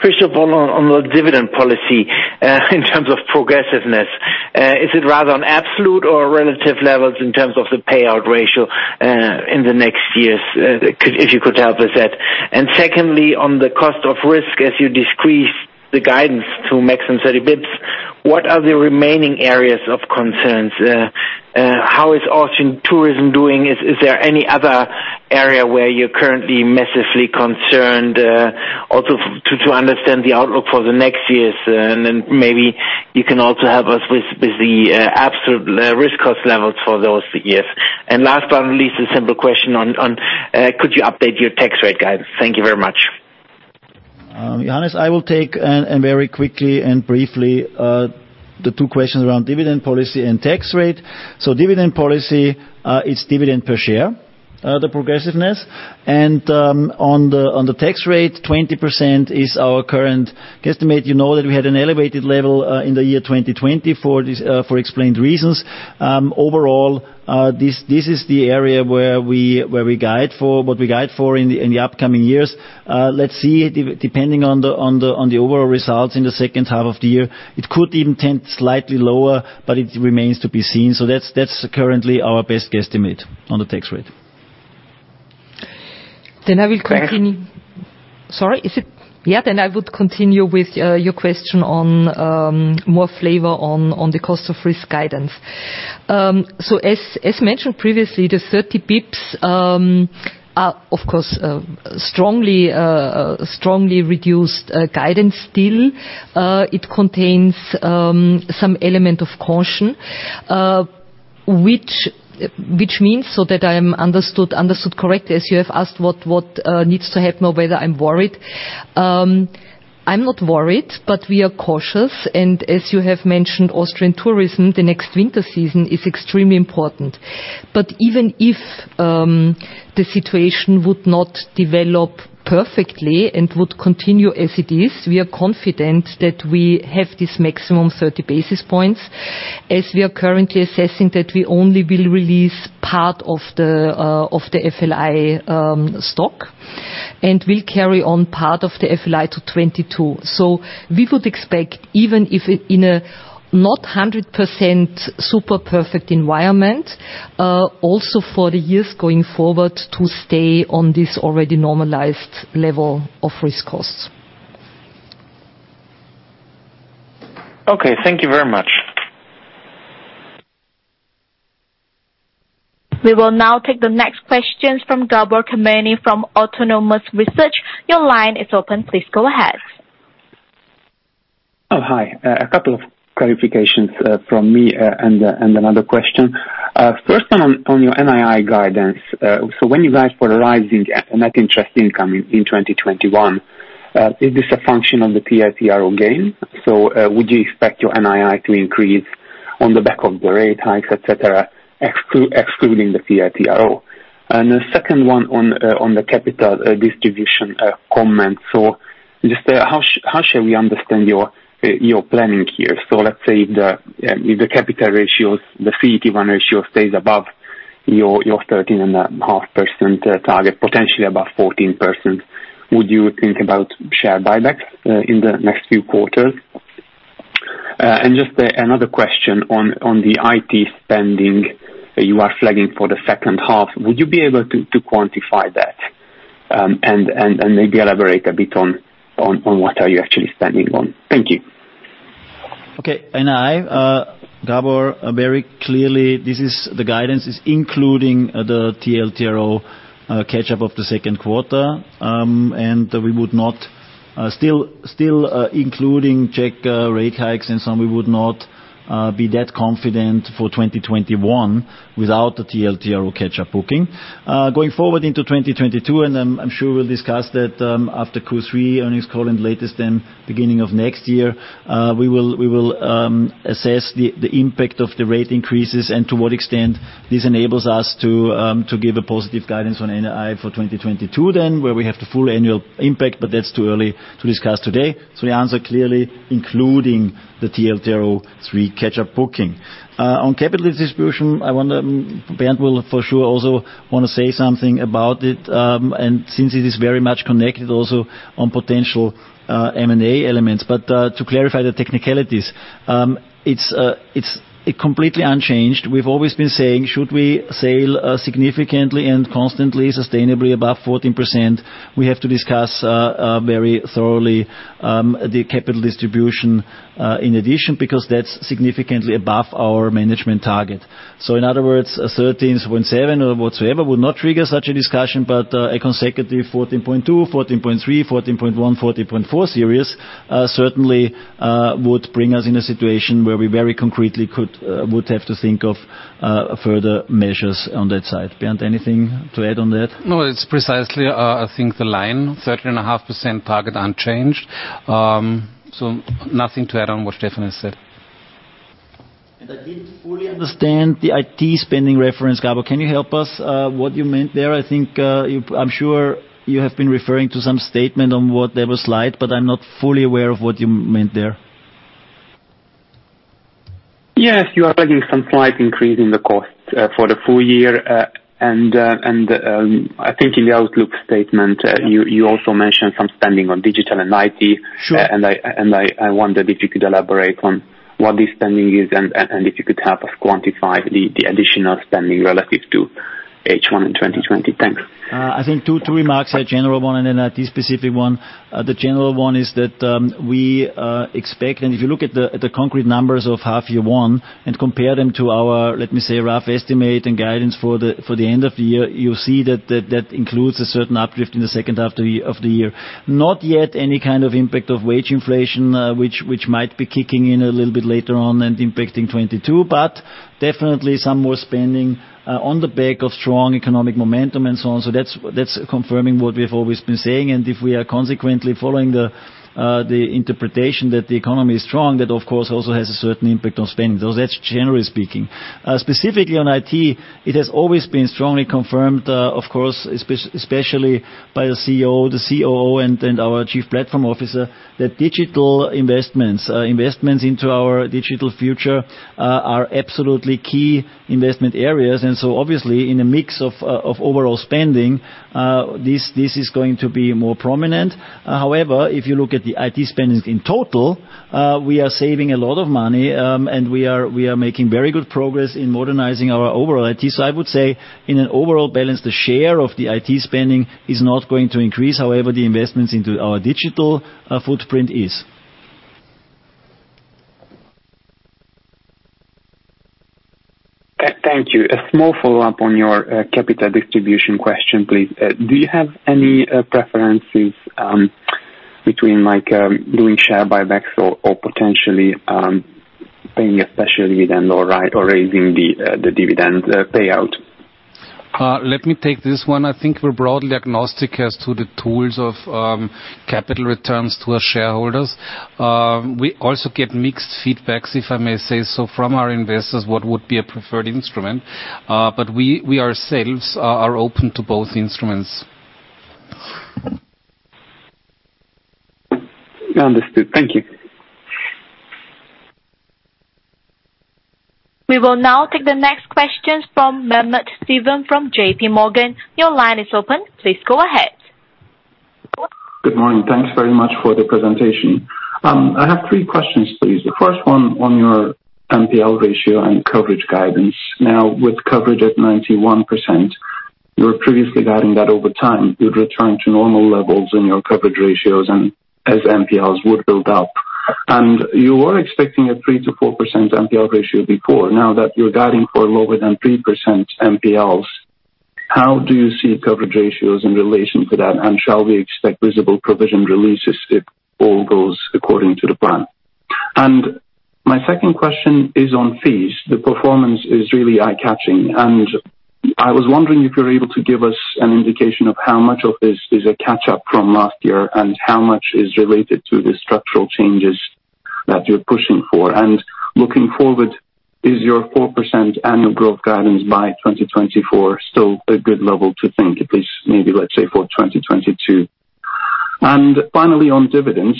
First of all, on the dividend policy, in terms of progressiveness, is it rather on absolute or relative levels in terms of the payout ratio in the next years? If you could help with that. Secondly, on the cost of risk, as you decreased the guidance to max and 30 basis points, what are the remaining areas of concerns? How is Austrian tourism doing? Is there any other area where you're currently massively concerned? Also to understand the outlook for the next years, and then maybe you can also help us with the absolute risk cost levels for those years. Last but not least, a simple question on could you update your tax rate guidance? Thank you very much. Johannes, I will take very quickly and briefly the two questions around dividend policy and tax rate. Dividend policy, it's dividend per share. The progressiveness. On the tax rate, 20% is our current guesstimate. You know that we had an elevated level in the year 2020 for explained reasons. Overall, this is the area what we guide for in the upcoming years. Let's see, depending on the overall results in the second half of the year. It could even tend slightly lower, but it remains to be seen. That's currently our best guesstimate on the tax rate. I will continue. Sorry, is it? I would continue with your question on more flavor on the cost of risk guidance. As mentioned previously, the 30 bps, of course, strongly reduced guidance still. It contains some element of caution, which means, so that I am understood correctly, as you have asked what needs to happen or whether I am worried. I am not worried, but we are cautious, and as you have mentioned, Austrian tourism, the next winter season is extremely important. Even if the situation would not develop perfectly and would continue as it is, we are confident that we have this maximum 30 basis points, as we are currently assessing that we only will release part of the FLI stock and will carry on part of the FLI to 2022. We would expect, even if in a not 100% super perfect environment, also for the years going forward, to stay on this already normalized level of risk costs. Okay. Thank you very much. We will now take the next questions from Gabor Kemeny from Autonomous Research. Your line is open. Please go ahead. Hi. A couple of clarifications from me, and another question. First one on your NII guidance. When you guys were rising net interest income in 2021, is this a function of the TLTRO gain? Would you expect your NII to increase on the back of the rate hikes, et cetera, excluding the TLTRO? The second one on the capital distribution comment. Just how shall we understand your planning here? Let's say the capital ratios, the CET1 ratio stays above your 13.5% target, potentially above 14%, would you think about share buybacks in the next few quarters? Just another question on the IT spending you are flagging for the second half, would you be able to quantify that, and maybe elaborate a bit on what are you actually spending on? Thank you. Okay. NII, Gabor, very clearly, the guidance is including the TLTRO catch-up of the second quarter. Still including Czech rate hikes and some, we would not be that confident for 2021 without the TLTRO catch-up booking. Going forward into 2022, and I'm sure we'll discuss that after Q3 earnings call and latest then beginning of next year, we will assess the impact of the rate increases and to what extent this enables us to give a positive guidance on NII for 2022 then, where we have the full annual impact. That's too early to discuss today. The answer, clearly including the TLTRO III catch-up booking. On capital distribution, Bernd will for sure also want to say something about it, and since it is very much connected also on potential M&A elements. To clarify the technicalities, it's completely unchanged. We've always been saying, should we sail significantly and constantly, sustainably above 14%, we have to discuss very thoroughly the capital distribution in addition, because that's significantly above our management target. In other words, 13.7 or whatsoever would not trigger such a discussion, but a consecutive 14.2, 14.3, 14.1, 14.4 series certainly would bring us in a situation where we very concretely would have to think of further measures on that side. Bernd, anything to add on that? No, it's precisely, I think the line, 13.5% target unchanged. Nothing to add on what Stefan has said. I didn't fully understand the IT spending reference, Gabor. Can you help us what you meant there? I'm sure you have been referring to some statement on what there was light, but I'm not fully aware of what you meant there. Yes, you are flagging some slight increase in the cost for the full year. I think in the outlook statement, you also mentioned some spending on digital and IT. Sure. I wonder if you could elaborate on what this spending is and if you could help us quantify the additional spending relative to H1 in 2020? Thanks. I think two remarks, a general one and then an IT specific one. The general one is that we expect, if you look at the concrete numbers of half year one and compare them to our, let me say, rough estimate and guidance for the end of the year, you'll see that includes a certain uplift in the second half of the year. Not yet any kind of impact of wage inflation, which might be kicking in a little bit later on and impacting 2022, but definitely some more spending on the back of strong economic momentum and so on. That's confirming what we've always been saying, if we are consequently following the interpretation that the economy is strong, that of course also has a certain impact on spending. That's generally speaking. Specifically on IT, it has always been strongly confirmed, of course, especially by the CEO, the COO, and our Chief Platform Officer, that digital investments into our digital future, are absolutely key investment areas. Obviously, in a mix of overall spending, this is going to be more prominent. However, if you look at the IT spending in total, we are saving a lot of money, and we are making very good progress in modernizing our overall IT. I would say in an overall balance, the share of the IT spending is not going to increase. However, the investments into our digital footprint is. Thank you. A small follow-up on your capital distribution question, please. Do you have any preferences between doing share buybacks or potentially paying a special dividend or raising the dividend payout? Let me take this one. I think we're broadly agnostic as to the tools of capital returns to our shareholders. We also get mixed feedbacks, if I may say so, from our investors, what would be a preferred instrument. We ourselves are open to both instruments. Understood. Thank you. We will now take the next questions from Mehmet Sevim from JPMorgan. Your line is open. Please go ahead. Good morning. Thanks very much for the presentation. I have three questions, please. The first one on your NPL ratio and coverage guidance. Now with coverage at 91%, you were previously guiding that over time, you'd return to normal levels in your coverage ratios and as NPLs would build up. You were expecting a 3%-4% NPL ratio before. Now that you're guiding for lower than 3% NPLs, how do you see coverage ratios in relation to that? Shall we expect visible provision releases if all goes according to the plan? My second question is on fees. The performance is really eye-catching, and I was wondering if you're able to give us an indication of how much of this is a catch-up from last year and how much is related to the structural changes that you're pushing for. Looking forward, is your 4% annual growth guidance by 2024 still a good level to think at least maybe let's say for 2022? Finally, on dividends,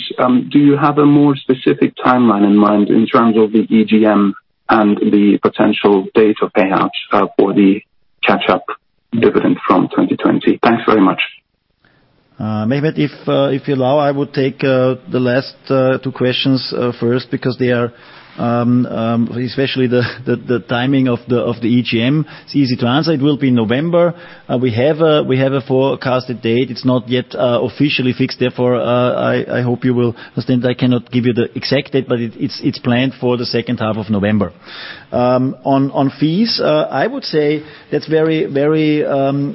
do you have a more specific timeline in mind in terms of the EGM and the potential date of payouts for the catch-up dividend from 2020? Thanks very much. Mehmet, if you allow, I would take the last two questions first because they are, especially the timing of the EGM. It's easy to answer. It will be November. We have a forecasted date. It's not yet officially fixed, therefore, I hope you will understand I cannot give you the exact date, but it's planned for the second half of November. On fees, I would say that's very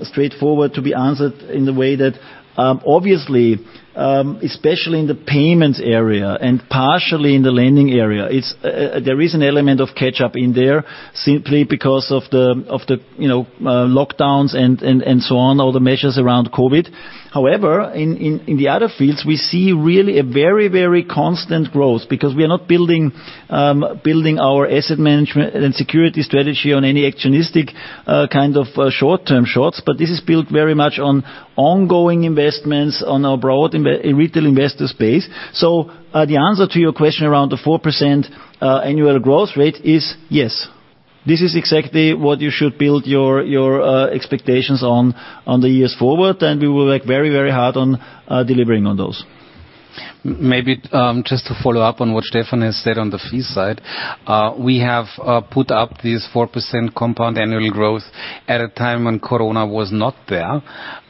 straightforward to be answered in the way that, obviously, especially in the payments area and partially in the lending area, there is an element of catch-up in there simply because of the lockdowns and so on, all the measures around COVID. However, in the other fields, we see really a very constant growth because we are not building our asset management and security strategy on any actionistic kind of short-term shots. This is built very much on ongoing investments on our broad retail investor space. The answer to your question around the 4% annual growth rate is yes. This is exactly what you should build your expectations on the years forward, and we will work very hard on delivering on those. Maybe just to follow up on what Stefan has said on the fee side. We have put up this 4% compound annual growth at a time when Corona was not there.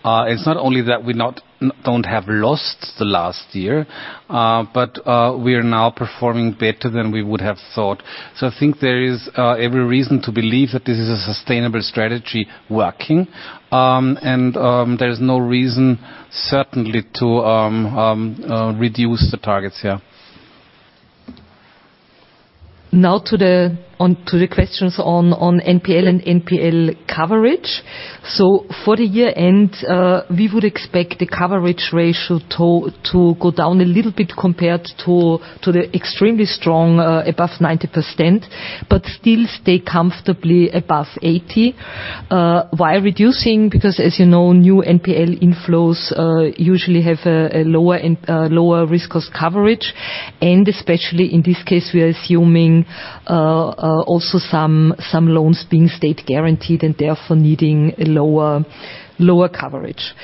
It's not only that we don't have lost the last year, but we are now performing better than we would have thought. I think there is every reason to believe that this is a sustainable strategy working, and there's no reason certainly to reduce the targets here. On to the questions on NPL and NPL coverage. For the year-end, we would expect the coverage ratio to go down a little bit compared to the extremely strong above 90%, but still stay comfortably above 80%. Why reducing? Because as you know, new NPL inflows usually have a lower risk cost coverage, and especially in this case, we are assuming also some loans being state-guaranteed and therefore needing a lower coverage.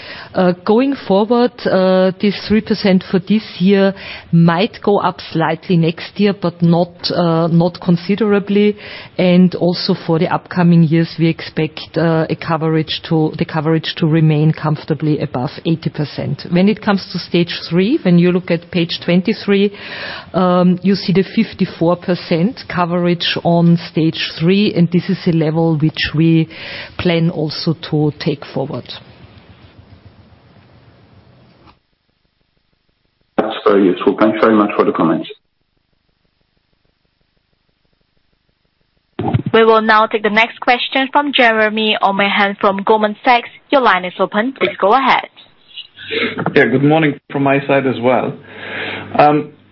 Going forward, this 3% for this year might go up slightly next year, but not considerably, and also for the upcoming years, we expect the coverage to remain comfortably above 80%. When it comes to Stage 3, when you look at page 23, you see the 54% coverage on Stage 3, and this is a level which we plan also to take forward. Thank you very much for the comments. We will now take the next question from Jernej Omahen from Goldman Sachs. Your line is open. Please go ahead. Yeah. Good morning from my side as well.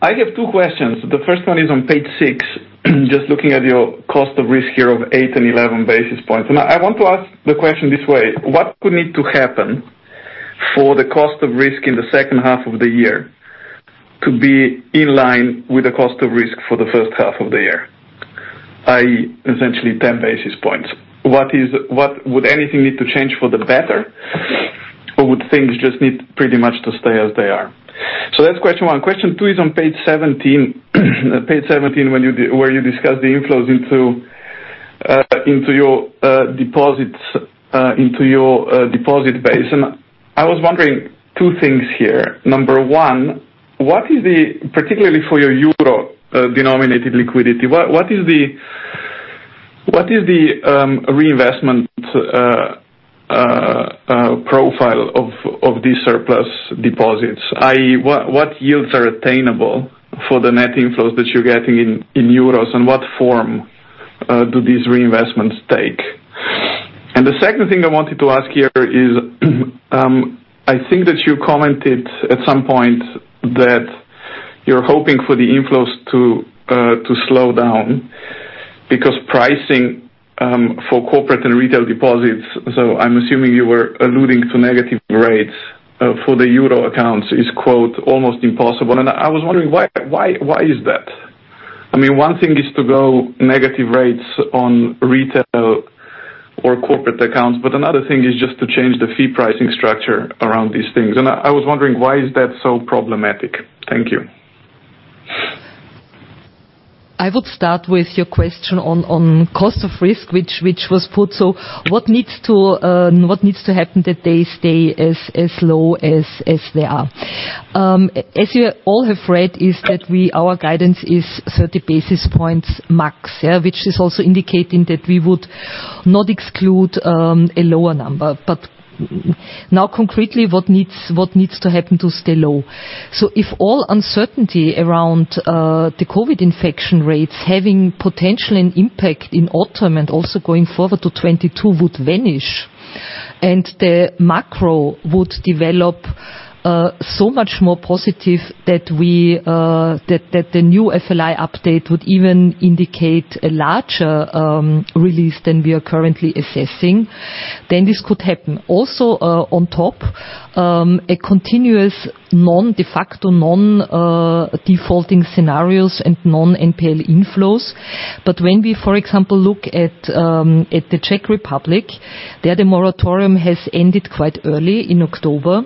I have two questions. The first one is on page six, just looking at your cost of risk here of eight and 11 basis points. I want to ask the question this way, what would need to happen for the cost of risk in the second half of the year to be in line with the cost of risk for the first half of the year, essentially 10 basis points? Would anything need to change for the better? Would things just need pretty much to stay as they are? That's question one. Question two is on page 17 where you discuss the inflows into your deposit base. I was wondering two things here. Number one, particularly for your EUR denominated liquidity, what is the reinvestment profile of these surplus deposits, i.e., what yields are attainable for the net inflows that you're getting in EUR, and what form do these reinvestments take? The second thing I wanted to ask here is I think that you commented at some point that you're hoping for the inflows to slow down because pricing for corporate and retail deposits, so I'm assuming you were alluding to negative rates for the EUR accounts is "almost impossible." I was wondering, why is that? One thing is to go negative rates on retail or corporate accounts, Another thing is just to change the fee pricing structure around these things. I was wondering why is that so problematic? Thank you. I would start with your question on cost of risk, which was put. What needs to happen that they stay as low as they are? As you all have read is that our guidance is 30 basis points max, yeah, which is also indicating that we would not exclude a lower number. Now concretely, what needs to happen to stay low? If all uncertainty around the COVID infection rates having potential impact in autumn and also going forward to 2022 would vanish, and the macro would develop so much more positive that the new FLI update would even indicate a larger release than we are currently assessing, then this could happen. Also on top, a continuous non-de facto, non-defaulting scenarios and non-NPL inflows. When we, for example, look at the Czech Republic, there the moratorium has ended quite early in October,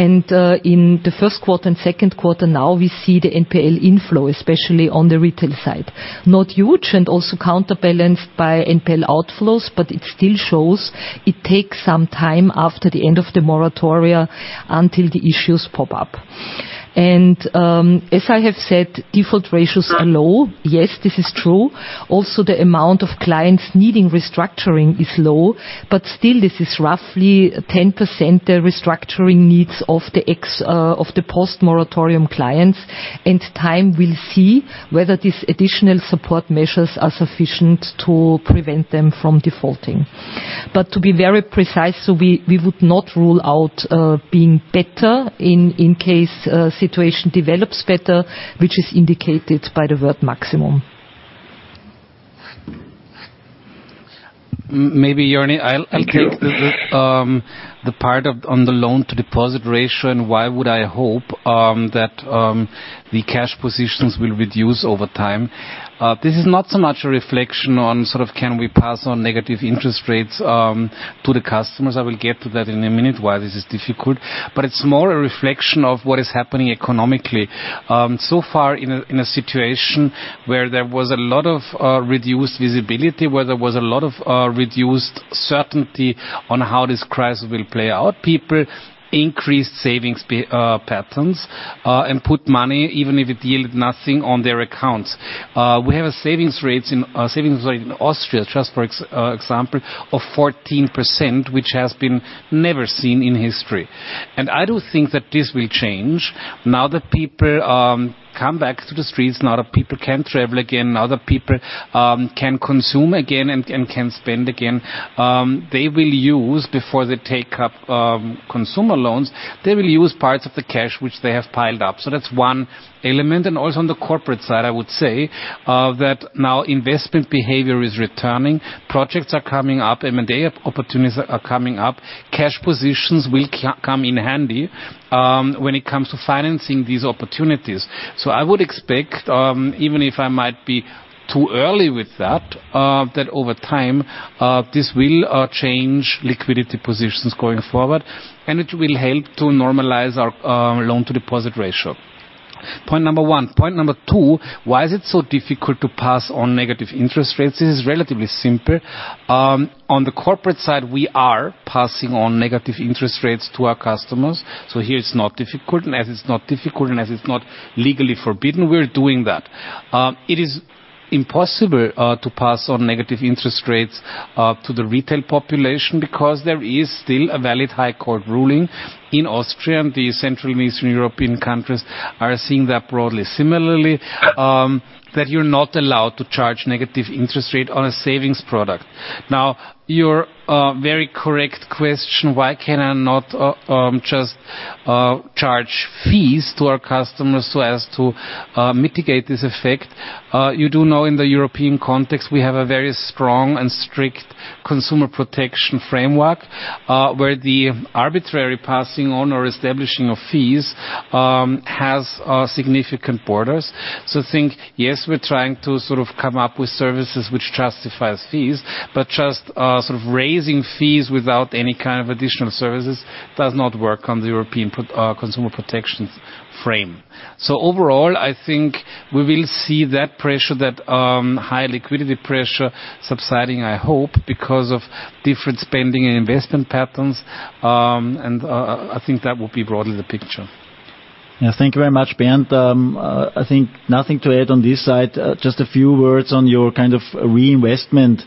and in the first quarter and second quarter now, we see the NPL inflow, especially on the retail side. Not huge and also counterbalanced by NPL outflows, but it still shows it takes some time after the end of the moratoria until the issues pop up. As I have said, default ratios are low. Yes, this is true. Also, the amount of clients needing restructuring is low, but still, this is roughly 10% restructuring needs of the post-moratorium clients. In time, we'll see whether these additional support measures are sufficient to prevent them from defaulting. To be very precise, so we would not rule out being better in case situation develops better, which is indicated by the word maximum. Maybe, Jernej, I'll take. Thank you. The part on the loan-to-deposit ratio. Why would I hope that the cash positions will reduce over time. This is not so much a reflection on can we pass on negative interest rates to the customers. I will get to that in a minute, why this is difficult. It's more a reflection of what is happening economically. Far in a situation where there was a lot of reduced visibility, where there was a lot of reduced certainty on how this crisis will play out, people increased savings patterns and put money, even if it yields nothing on their accounts. We have a savings rate in Austria, just for example, of 14%, which has been never seen in history. I do think that this will change now that people come back to the streets, now that people can travel again, now that people can consume again and can spend again. They will use, before they take up consumer loans, they will use parts of the cash which they have piled up. That's one element. Also on the corporate side, I would say that now investment behavior is returning, projects are coming up, M&A opportunities are coming up. Cash positions will come in handy when it comes to financing these opportunities. I would expect, even if I might be too early with that over time, this will change liquidity positions going forward, and it will help to normalize our loan-to-deposit ratio. Point number one. Point number two, why is it so difficult to pass on negative interest rates? This is relatively simple. On the corporate side, we are passing on negative interest rates to our customers. Here it's not difficult. As it's not difficult, and as it's not legally forbidden, we're doing that. It is impossible to pass on negative interest rates to the retail population because there is still a valid high court ruling in Austria and the Central and Eastern European countries are seeing that broadly. Similarly, that you're not allowed to charge negative interest rate on a savings product. Your very correct question, why can I not just charge fees to our customers so as to mitigate this effect? You do know in the European context, we have a very strong and strict consumer protection framework, where the arbitrary passing on or establishing of fees has significant borders. Think, yes, we're trying to sort of come up with services which justifies fees, but just sort of raising fees without any kind of additional services does not work on the European consumer protection frame. Overall, I think we will see that pressure, that high liquidity pressure subsiding, I hope, because of different spending and investment patterns, and I think that will be broadly the picture. Thank you very much, Bernd. I think nothing to add on this side. Just a few words on your kind of reinvestment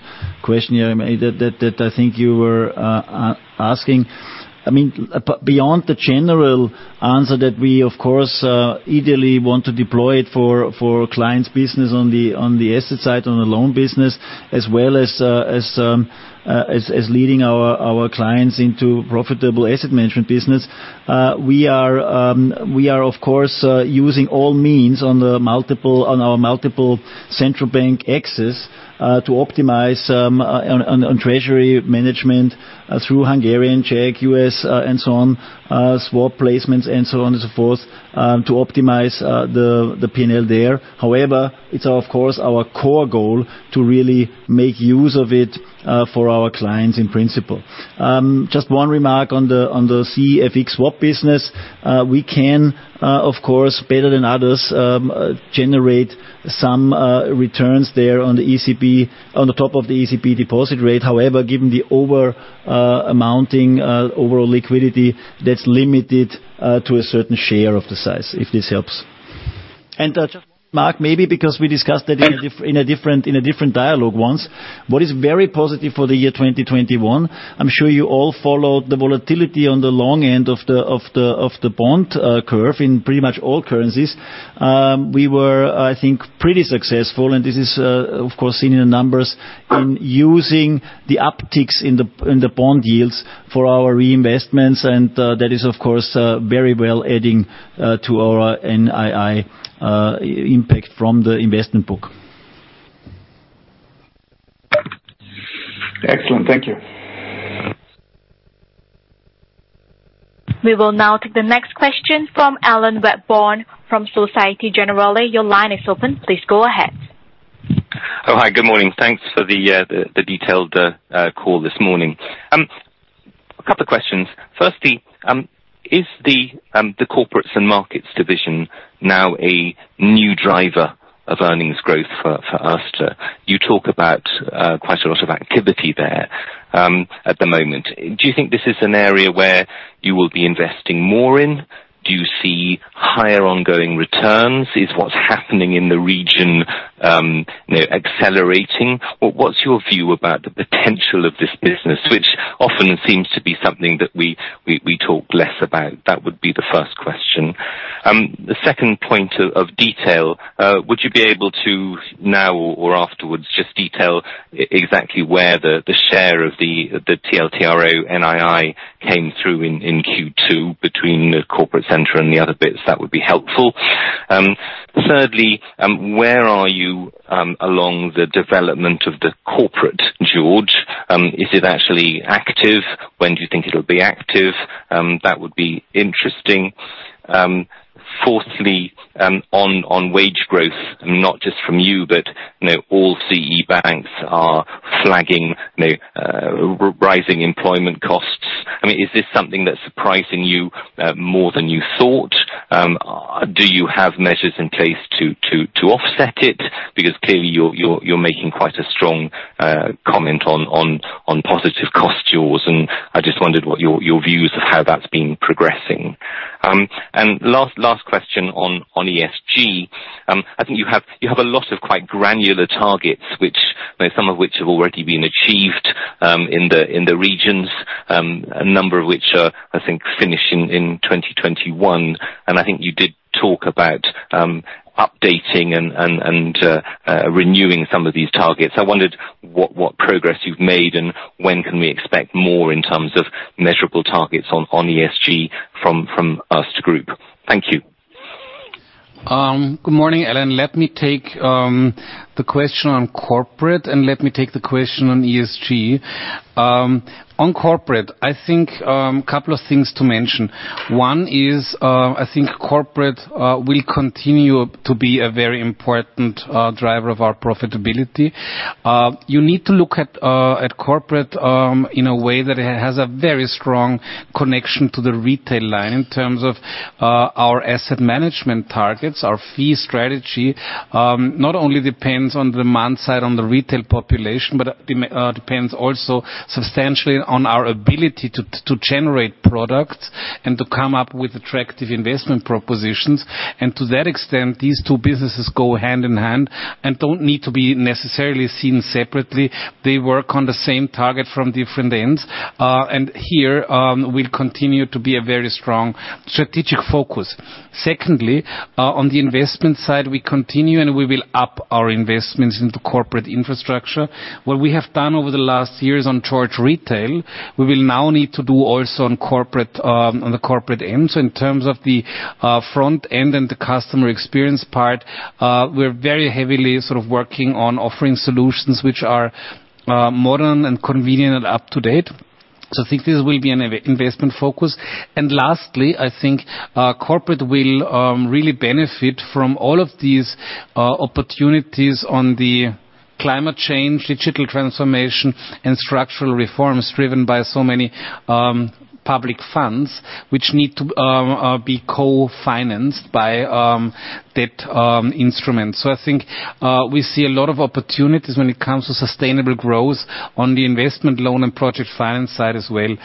question, Jernej, that I think you were asking. Beyond the general answer that we, of course, ideally want to deploy it for clients' business on the asset side, on the loan business, as well as leading our clients into profitable asset management business. We are of course, using all means on our multiple central bank axes to optimize on treasury management through Hungarian, Czech, U.S., and so on, swap placements and so on and so forth, to optimize the P&L there. It's of course our core goal to really make use of it for our clients in principle. Just one remark on the CEE FX swap business. We can, of course, better than others, generate some returns there on the top of the ECB deposit rate. However, given the over amounting overall liquidity, that's limited to a certain share of the size, if this helps. Just a remark maybe because we discussed that in a different dialogue once. What is very positive for the year 2021, I'm sure you all followed the volatility on the long end of the bond curve in pretty much all currencies. We were, I think, pretty successful, and this is, of course, seen in the numbers in using the upticks in the bond yields for our reinvestments, and that is, of course, very well adding to our NII impact from the investment book. Excellent. Thank you. We will now take the next question from Alan Webborn from Societe Generale. Your line is open. Please go ahead. Oh, hi. Good morning. Thanks for the detailed call this morning. A couple of questions. Firstly, is the corporates and markets division now a new driver of earnings growth for Erste? You talk about quite a lot of activity there at the moment. Do you think this is an area where you will be investing more in? Do you see higher ongoing returns? Is what's happening in the region accelerating? What's your view about the potential of this business, which often seems to be something that we talk less about? That would be the first question. The second point of detail, would you be able to now or afterwards just detail exactly where the share of the TLTRO NII came through in Q2 between the corporate center and the other bits? That would be helpful. Thirdly, where are you along the development of the corporate George? Is it actually active? When do you think it'll be active? That would be interesting. Fourthly, on wage growth, not just from you, but all CEE banks are flagging rising employment costs. Is this something that's surprising you more than you thought? Do you have measures in place to offset it? Clearly you're making quite a strong comment on positive cost jaws, I just wondered what your views of how that's been progressing. Last question on ESG. I think you have a lot of quite granular targets, some of which have already been achieved in the regions, a number of which are, I think, finishing in 2021, I think you did talk about updating and renewing some of these targets. I wondered what progress you've made, when can we expect more in terms of measurable targets on ESG from Erste Group? Thank you. Good morning, Alan. Let me take the question on corporate, and let me take the question on ESG. On corporate, I think couple of things to mention. One is, I think corporate will continue to be a very important driver of our profitability. You need to look at corporate in a way that it has a very strong connection to the retail line in terms of our asset management targets. Our fee strategy, not only depends on demand side on the retail population, but depends also substantially on our ability to generate products and to come up with attractive investment propositions. To that extent, these two businesses go hand in hand and don't need to be necessarily seen separately. They work on the same target from different ends. Here, will continue to be a very strong strategic focus. Secondly, on the investment side, we continue, and we will up our investments into corporate infrastructure. What we have done over the last years on George retail, we will now need to do also on the corporate end. In terms of the front end and the customer experience part, we're very heavily sort of working on offering solutions which are modern and convenient and up to date. I think this will be an investment focus. Lastly, I think corporate will really benefit from all of these opportunities on the climate change, digital transformation, and structural reforms driven by so many public funds, which need to be co-financed by debt instruments. I think we see a lot of opportunities when it comes to sustainable growth on the investment loan and project finance side as well.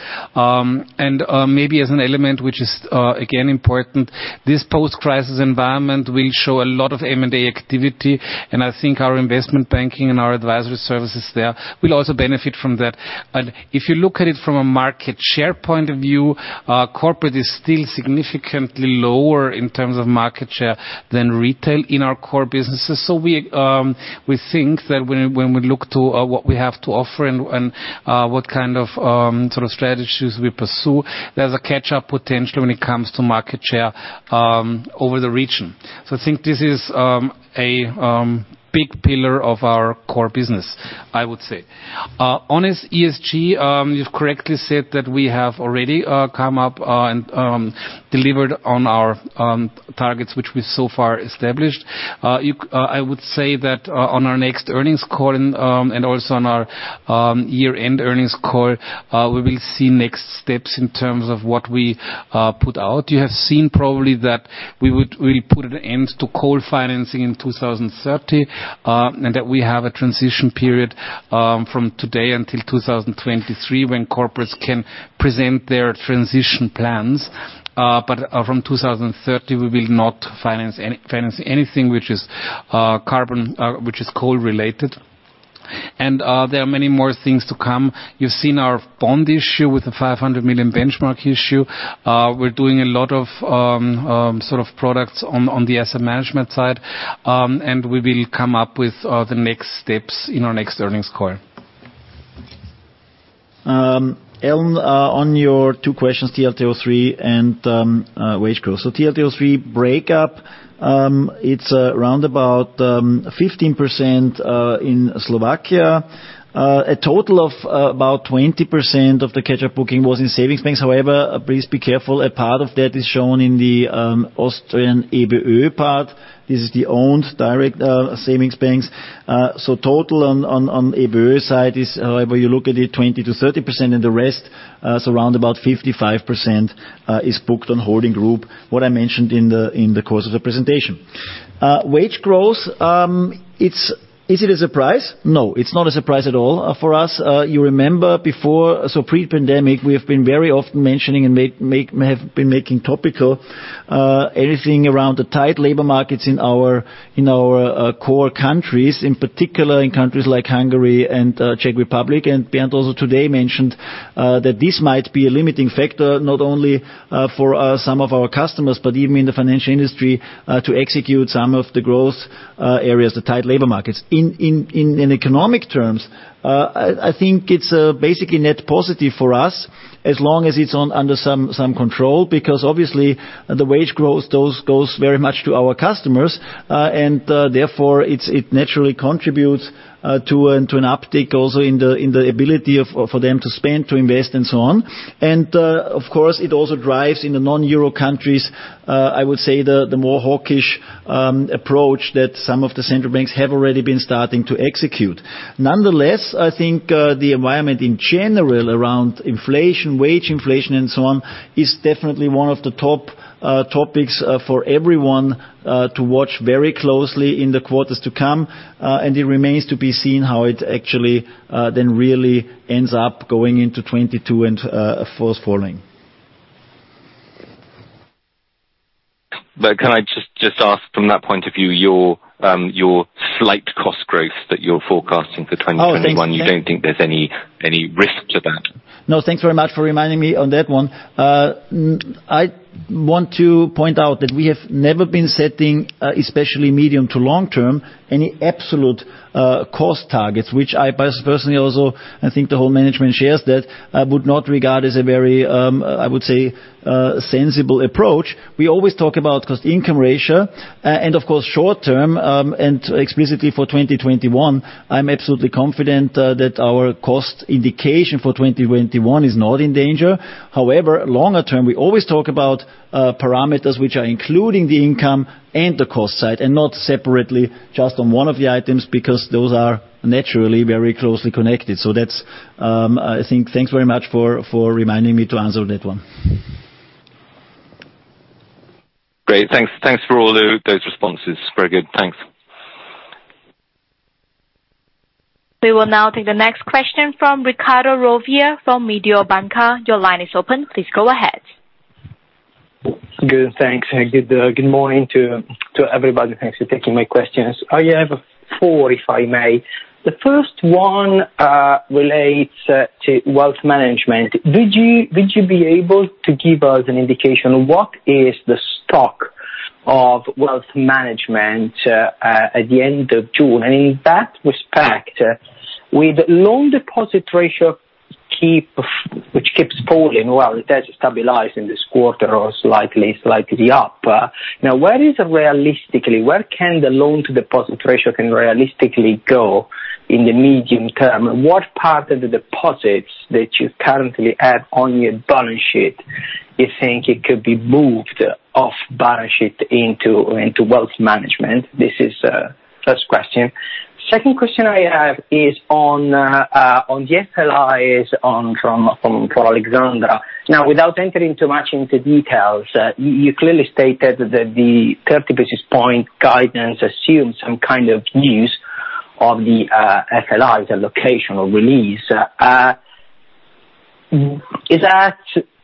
Maybe as an element, which is again important, this post-crisis environment will show a lot of M&A activity, and I think our investment banking and our advisory services there will also benefit from that. If you look at it from a market share point of view, corporate is still significantly lower in terms of market share than retail in our core businesses. We think that when we look to what we have to offer and what kind of strategies we pursue, there's a catch-up potential when it comes to market share over the region. I think this is a big pillar of our core business, I would say. On ESG, you've correctly said that we have already come up and delivered on our targets, which we've so far established. I would say that on our next earnings call and also on our year-end earnings call, we will see next steps in terms of what we put out. You have seen probably that we would really put an end to coal financing in 2030, and that we have a transition period from today until 2023, when corporates can present their transition plans. From 2030, we will not finance anything which is coal-related. There are many more things to come. You've seen our bond issue with the 500 million benchmark issue. We're doing a lot of products on the asset management side. We will come up with the next steps in our next earnings call. On your two questions, TLTRO III and wage growth. TLTRO III breakup, it's around about 15% in Slovakia. A total of about 20% of the catch-up booking was in Savings Banks. Please be careful. A part of that is shown in the Austrian EBÖ part. This is the owned direct savings banks. Total on EBÖ side is, however you look at it, 20%-30%, and the rest, around about 55%, is booked on holding group, what I mentioned in the course of the presentation. Wage growth. Is it a surprise? No, it's not a surprise at all for us. You remember before, pre-pandemic, we have been very often mentioning and have been making topical anything around the tight labor markets in our core countries, in particular in countries like Hungary and Czech Republic. Bernd also today mentioned that this might be a limiting factor, not only for some of our customers, but even in the financial industry to execute some of the growth areas, the tight labor markets. In economic terms, I think it's basically net positive for us, as long as it's under some control, because obviously the wage growth, those goes very much to our customers. Therefore it naturally contributes to an uptick also in the ability for them to spend, to invest and so on. Of course, it also drives in the non-euro countries, I would say the more hawkish approach that some of the central banks have already been starting to execute. Nonetheless, I think the environment in general around inflation, wage inflation, and so on, is definitely one of the top topics for everyone to watch very closely in the quarters to come. It remains to be seen how it actually then really ends up going into 2022 and forth falling. Can I just ask from that point of view, your slight cost growth that you're forecasting for 2021. Oh, thanks. You don't think there's any risk to that? Thanks very much for reminding me on that one. I want to point out that we have never been setting, especially medium to long-term, any absolute cost targets, which I personally also, I think the whole management shares that, I would not regard as a very, I would say, sensible approach. We always talk about cost-to-income ratio. Of course, short-term, and explicitly for 2021, I'm absolutely confident that our cost indication for 2021 is not in danger. However, longer term, we always talk about parameters which are including the income and the cost side, and not separately just on one of the items, because those are naturally very closely connected. Thanks very much for reminding me to answer that one. Great. Thanks for all those responses. Very good. Thanks. We will now take the next question from Riccardo Rovere from Mediobanca. Your line is open. Please go ahead. Good, thanks. Good morning to everybody. Thanks for taking my questions. I have four, if I may. The first one relates to wealth management. Would you be able to give us an indication of what is the stock of wealth management at the end of June? In that respect, with loan-to-deposit ratio which keeps falling. Well, it has stabilized in this quarter or slightly up. Where can the loan-to-deposit ratio realistically go in the medium term? What part of the deposits that you currently have on your balance sheet, you think it could be moved off balance sheet into wealth management? This is first question. Second question I have is on the FLIs from Alexandra. Without entering too much into details, you clearly stated that the 30 basis points guidance assumes some kind of use of the FLIs, the location of release. Is that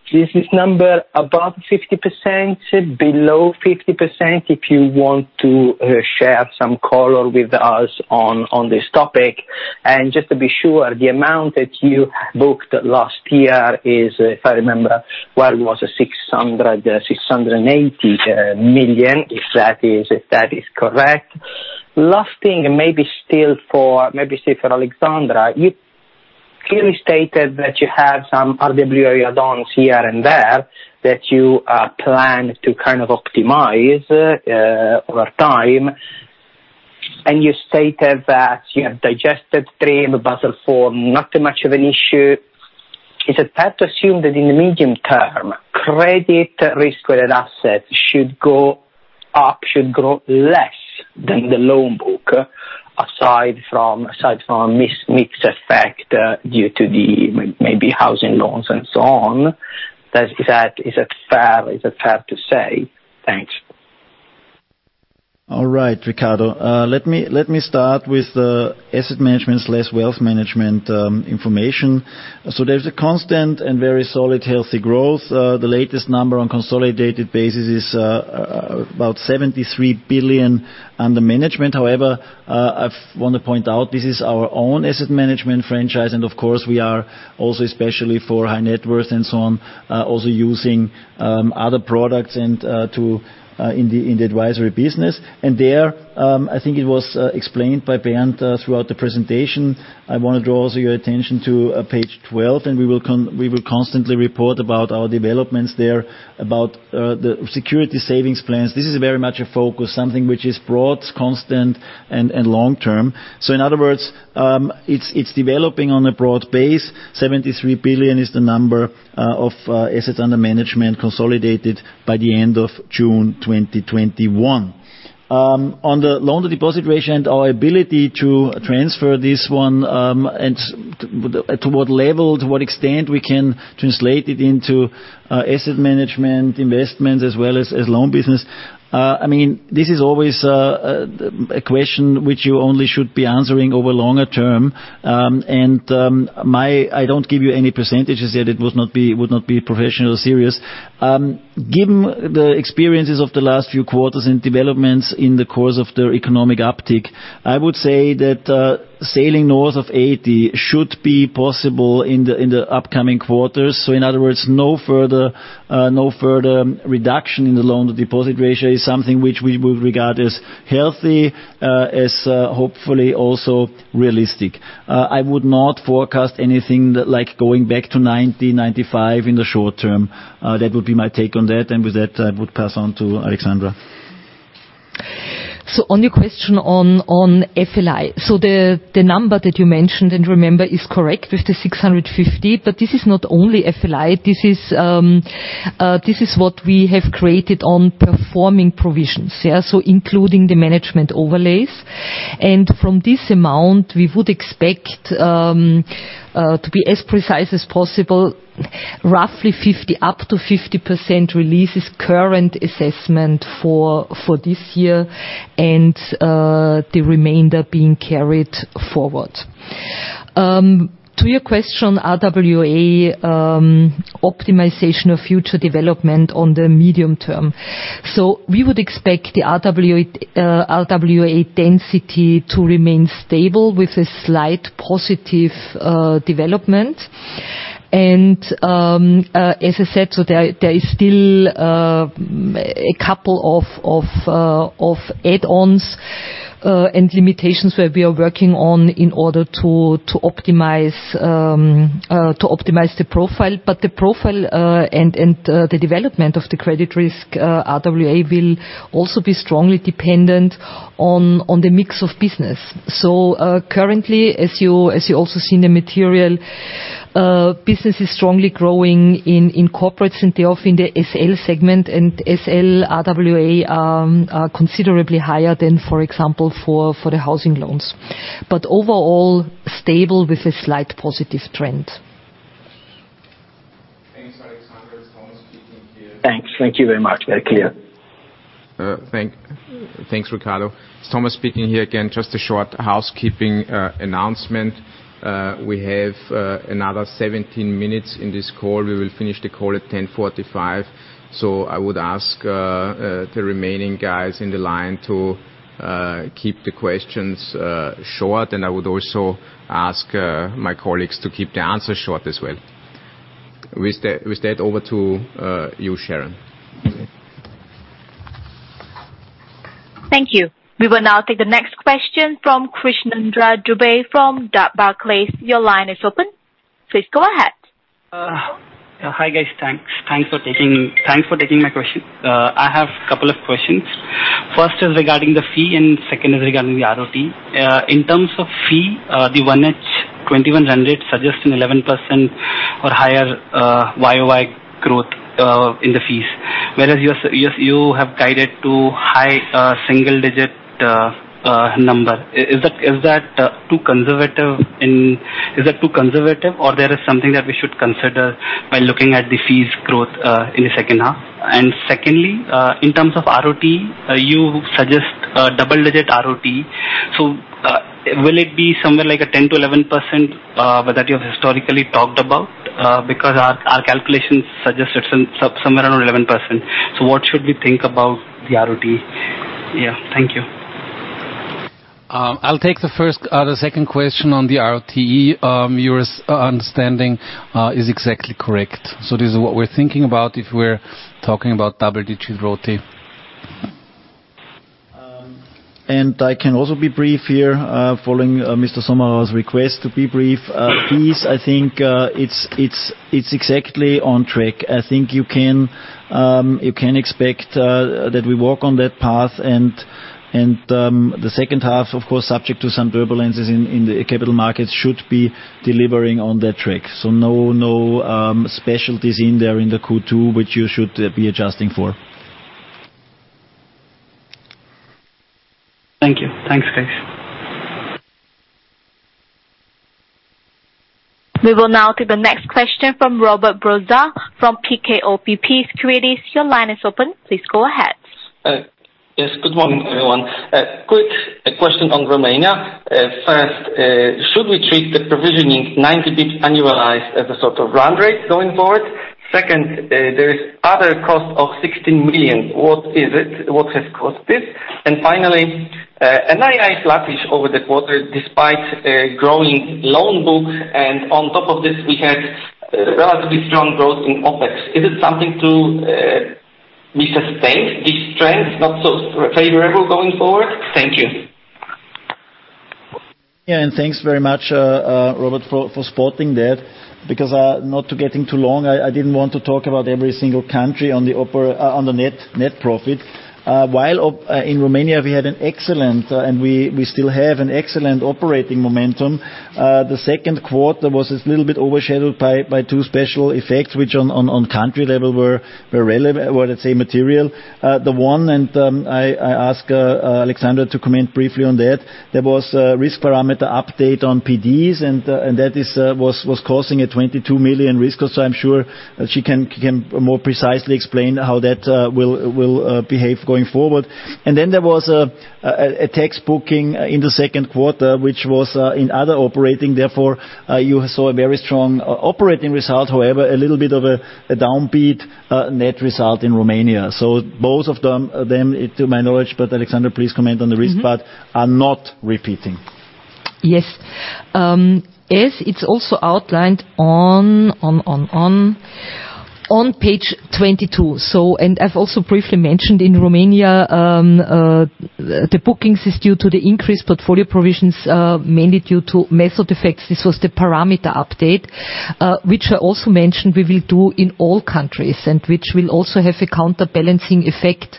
[inaudible] number above 60% [inaudible] below 50% would you want to share some color with us on this topic. Just to be sure, the amount that you booked last year is, if I remember well, it was 680 million, if that is correct. Last thing, maybe still for Alexandra, you clearly stated that you have some RWA add-ons here and there that you plan to optimize over time, and you stated that you have digested stream Basel IV, not too much of an issue. Is it fair to assume that in the medium term, credit risk-related assets should go up, should grow less than the loan book, aside from mix effect due to the maybe housing loans and so on. Is it fair to say? Thanks. All right, Riccardo. Let me start with the asset management, less wealth management information. There's a constant and very solid, healthy growth. The latest number on consolidated basis is about 73 billion under management. However, I want to point out this is our own asset management franchise, and of course, we are also especially for high net worth and so on, also using other products in the advisory business. There, I think it was explained by Bernd throughout the presentation. I want to draw also your attention to page 12, we will constantly report about our developments there, about the security savings plans. This is very much a focus, something which is broad, constant, and long-term. In other words, it's developing on a broad base. 73 billion is the number of assets under management consolidated by the end of June 2021. On the loan-to-deposit ratio and our ability to transfer this one, to what level, to what extent we can translate it into asset management, investment, as well as loan business. This is always a question which you only should be answering over longer term. I don't give you any percentages yet, it would not be professional or serious. Given the experiences of the last few quarters and developments in the course of the economic uptick, I would say that sailing north of 80% should be possible in the upcoming quarters. In other words, no further reduction in the loan-to-deposit ratio is something which we would regard as healthy, as hopefully also realistic. I would not forecast anything like going back to 90%, 95% in the short term. That would be my take on that. With that, I would pass on to Alexandra. On your question on FLI. The number that you mentioned and remember is correct, 5,650, but this is not only FLI, this is what we have created on performing provisions. Including the management overlays. From this amount, we would expect, to be as precise as possible, roughly up to 50% release is current assessment for this year, and the remainder being carried forward. To your question, RWA optimization of future development on the medium term. We would expect the RWA density to remain stable with a slight positive development. As I said, there is still a couple of add-ons and limitations where we are working on in order to optimize the profile. The profile and the development of the credit risk RWA will also be strongly dependent on the mix of business. Currently, as you also see in the material, business is strongly growing in corporate and off in the SL segment, and SL RWA are considerably higher than, for example, for the housing loans. Overall, stable with a slight positive trend. Thanks, Alexandra. Thomas speaking here. Thanks. Thank you very much. Very clear. Thanks, Riccardo. Thomas speaking here again, just a short housekeeping announcement. We have another 17 minutes in this call. We will finish the call at 10:45 A.M. I would ask the remaining guys in the line to keep the questions short, and I would also ask my colleagues to keep the answers short as well. With that, over to you, Sharon. Thank you. We will now take the next question from Krishnendra Dubey from Barclays. Your line is open. Please go ahead. Hi, guys. Thanks for taking my question. I have a couple of questions. First is regarding the fee, and second is regarding the ROTE. In terms of fee, the 1H 2021 run rate suggests an 11% or higher year-over-year growth in the fees, whereas you have guided to high single-digit number. Is that too conservative, or is there something that we should consider by looking at the fees growth in the second half? Secondly, in terms of ROTE, you suggest double-digit ROTE. Will it be somewhere like a 10%-11% that you have historically talked about? Because our calculations suggest it is somewhere around 11%. What should we think about the ROTE? Thank you. I'll take the second question on the ROTE. Your understanding is exactly correct. This is what we're thinking about if we're talking about double-digit ROTE. I can also be brief here, following Thomas Sommerauer's request to be brief. Fees, I think it's exactly on track. I think you can expect that we walk on that path, and the second half, of course, subject to some turbulences in the capital markets, should be delivering on that track. No specialties in there in the Q2, which you should be adjusting for. Thank you. Thanks, guys. We will now take the next question from Robert Brzoza from PKO BP Securities. Your line is open. Please go ahead. Yes. Good morning, everyone. Quick question on Romania. First, should we treat the provisioning 90 basis points annualized as a sort of run rate going forward? Second, there is other cost of 16 million. What is it? What has caused this? Finally, NII is flattish over the quarter despite a growing loan book, and on top of this we had relatively strong growth in OpEx. Is it something to be sustained, this trend, not so favorable going forward? Thank you. Yeah, thanks very much, Robert, for spotting that, because not to getting too long, I didn't want to talk about every single country on the net profit. While in Romania, we had an excellent, and we still have an excellent operating momentum. The second quarter was a little bit overshadowed by two special effects, which on country level were the same material. The one, and I ask Alexandra to comment briefly on that. There was a risk parameter update on PDs, and that was causing a 22 million risk cost. I'm sure she can more precisely explain how that will behave going forward. There was a tax booking in the second quarter, which was in other operating, therefore, you saw a very strong operating result. However, a little bit of a downbeat net result in Romania. Both of them, to my knowledge, but Alexandra, please comment on the risk part, are not repeating. As it's also outlined on page 22. I've also briefly mentioned in Romania, the bookings is due to the increased portfolio provisions mainly due to method effects. This was the parameter update, which I also mentioned we will do in all countries and which will also have a counterbalancing effect.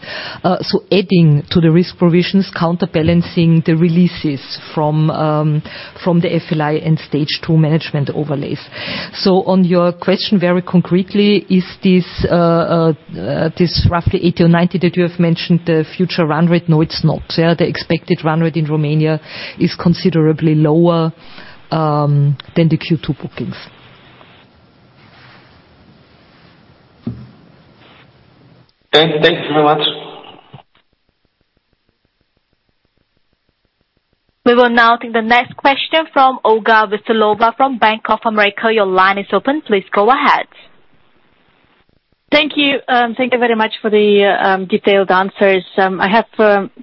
Adding to the risk provisions, counterbalancing the releases from the FLI and Stage 2 management overlays. On your question very concretely, is this roughly 80 or 90 that you have mentioned the future run rate? No, it's not. The expected run rate in Romania is considerably lower than the Q2 bookings. Thanks very much. We will now take the next question from Olga Veselova from Bank of America. Your line is open. Please go ahead. Thank you. Thank you very much for the detailed answers. I have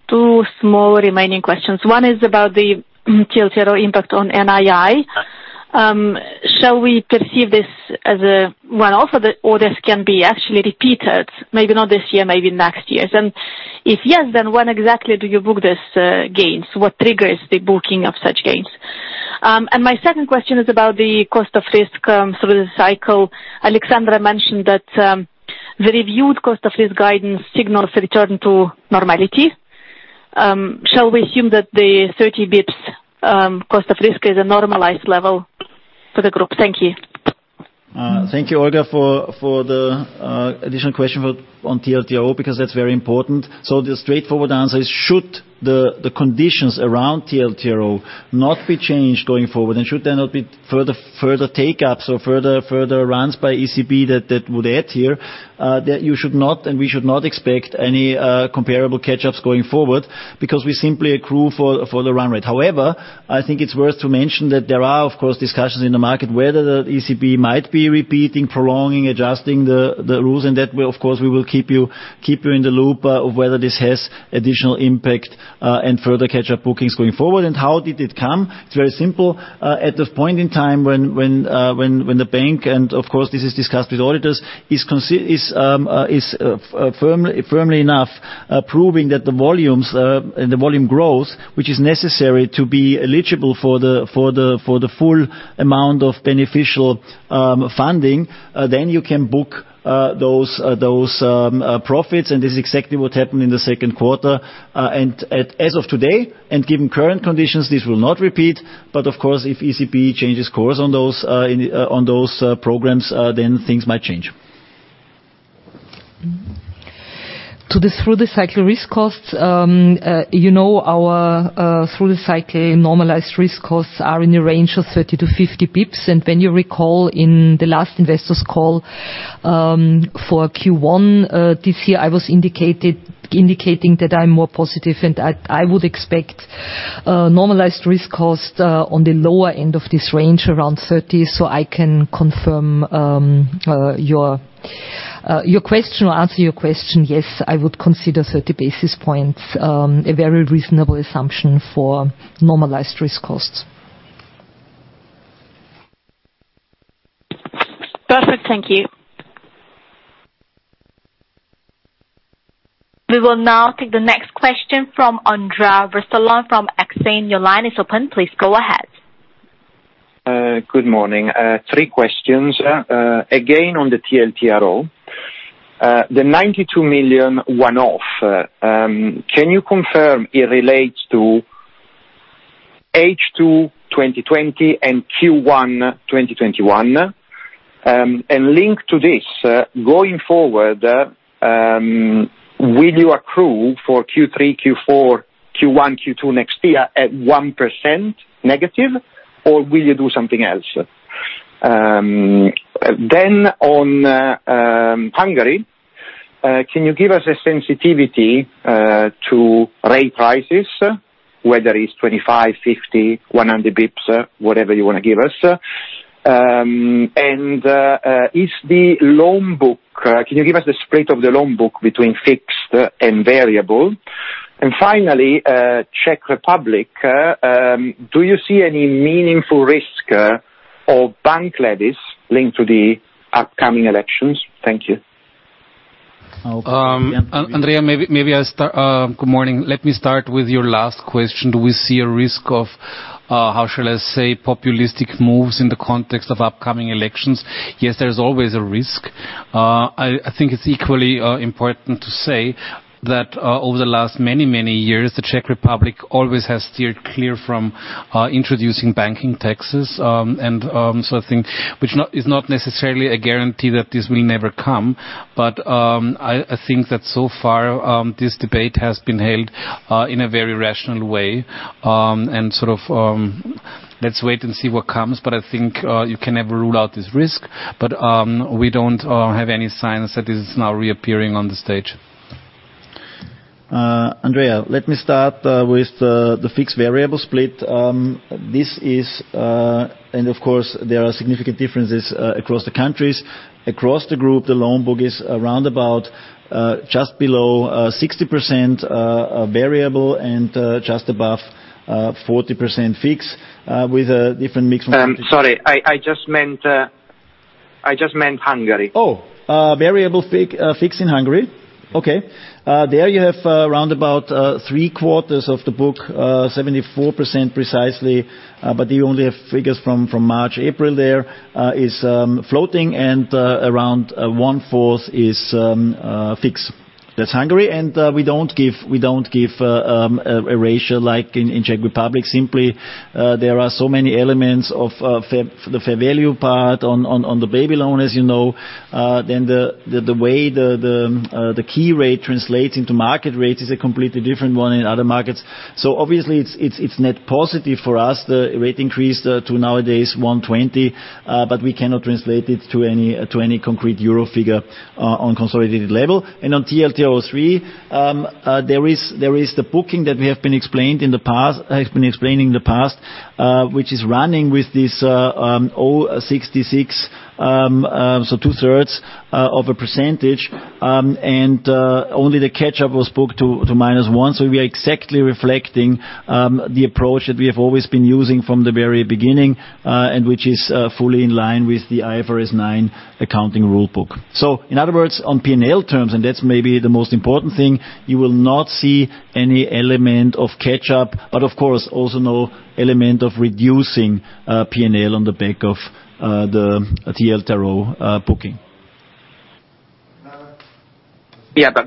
two small remaining questions. One is about the TLTRO impact on NII. Shall we perceive this as a one-off or this can be actually repeated, maybe not this year, maybe next years? If yes, then when exactly do you book these gains? What triggers the booking of such gains? My second question is about the cost of risk through the cycle. Alexandra mentioned that the reviewed cost of risk guidance signals a return to normality. Shall we assume that the 30 basis points cost of risk is a normalized level for the group? Thank you. Thank you, Olga, for the additional question on TLTRO because that's very important. The straightforward answer is should the conditions around TLTRO not be changed going forward, and should there not be further take-ups or further runs by ECB that would add here, that you should not, and we should not expect any comparable catch-ups going forward because we simply accrue for the run rate. However, I think it's worth to mention that there are, of course, discussions in the market whether the ECB might be repeating, prolonging, adjusting the rules, and that will, of course, we will keep you in the loop of whether this has additional impact and further catch-up bookings going forward. How did it come? It's very simple. At the point in time when the bank, and of course, this is discussed with auditors, is firmly enough proving that the volumes and the volume growth, which is necessary to be eligible for the full amount of beneficial funding, then you can book those profits, and this is exactly what happened in the second quarter. As of today, and given current conditions, this will not repeat. Of course, if ECB changes course on those programs, then things might change. To the through-the-cycle risk costs, our through-the-cycle normalized risk costs are in the range of 30-50 basis points. When you recall in the last investors call, for Q1 this year, I was indicating that I'm more positive, and I would expect normalized risk cost on the lower end of this range, around 30. I can confirm your question or answer your question, yes, I would consider 30 basis points a very reasonable assumption for normalized risk costs. Perfect. Thank you. We will now take the next question from Andrea Vercellone from Exane. Your line is open. Please go ahead. Good morning. three questions. Again, on the TLTRO. The 92 million one-off, can you confirm it relates to H2 2020 and Q1 2021? Linked to this, going forward, will you accrue for Q3, Q4, Q1, Q2 next year at 1% negative, or will you do something else? On Hungary, can you give us a sensitivity to rate prices, whether it's 25, 50, 100 basis points, whatever you want to give us. Can you give us the split of the loan book between fixed and variable? Finally, Czech Republic, do you see any meaningful risk of bank tax linked to the upcoming elections? Thank you. Andrea Vercellone, good morning. Let me start with your last question. Do we see a risk of, how shall I say, populist moves in the context of upcoming elections? Yes, there's always a risk. I think it's equally important to say that over the last many, many years, the Czech Republic always has steered clear from introducing banking taxes, and so I think, which is not necessarily a guarantee that this will never come. I think that so far, this debate has been held in a very rational way. Sort of, let's wait and see what comes, but I think you can never rule out this risk. We don't have any signs that this is now reappearing on the stage. Andrea, let me start with the fixed-variable split. Of course, there are significant differences across the countries. Across the group, the loan book is around about just below 60% variable and just above 40% fixed, with a different mix. Sorry, I just meant Hungary. Variable fixed in Hungary. There you have around about three-quarters of the book, 74% precisely, but you only have figures from March, April there, is floating and around one-fourth is fixed. That's Hungary. We don't give a ratio like in Czech Republic simply, there are so many elements of the fair value part on the baby loan, as you know. The way the key rate translates into market rate is a completely different one in other markets. Obviously it's net positive for us, the rate increase to nowadays 120, but we cannot translate it to any concrete euro figure on consolidated level. On TLTRO III, there is the booking that I have been explaining in the past, which is running with this 0.66%, so two-thirds of a percentage, and only the catch-up was booked to -1%. We are exactly reflecting the approach that we have always been using from the very beginning, and which is fully in line with the IFRS 9 accounting rule book. In other words, on P&L terms, and that's maybe the most important thing, you will not see any element of catch-up, but of course, also no element of reducing P&L on the back of the TLTRO booking.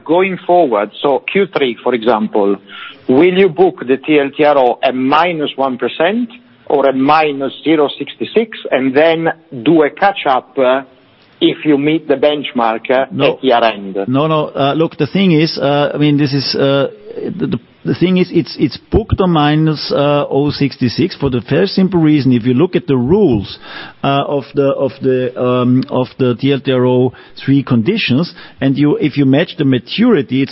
Going forward, Q3, for example, will you book the TLTRO at -1% or at -0.66% and then do a catch-up if you meet the benchmark at year-end? Look, the thing is it's booked on -0.66% for the very simple reason. If you look at the rules of the TLTRO III conditions, if you match the maturity,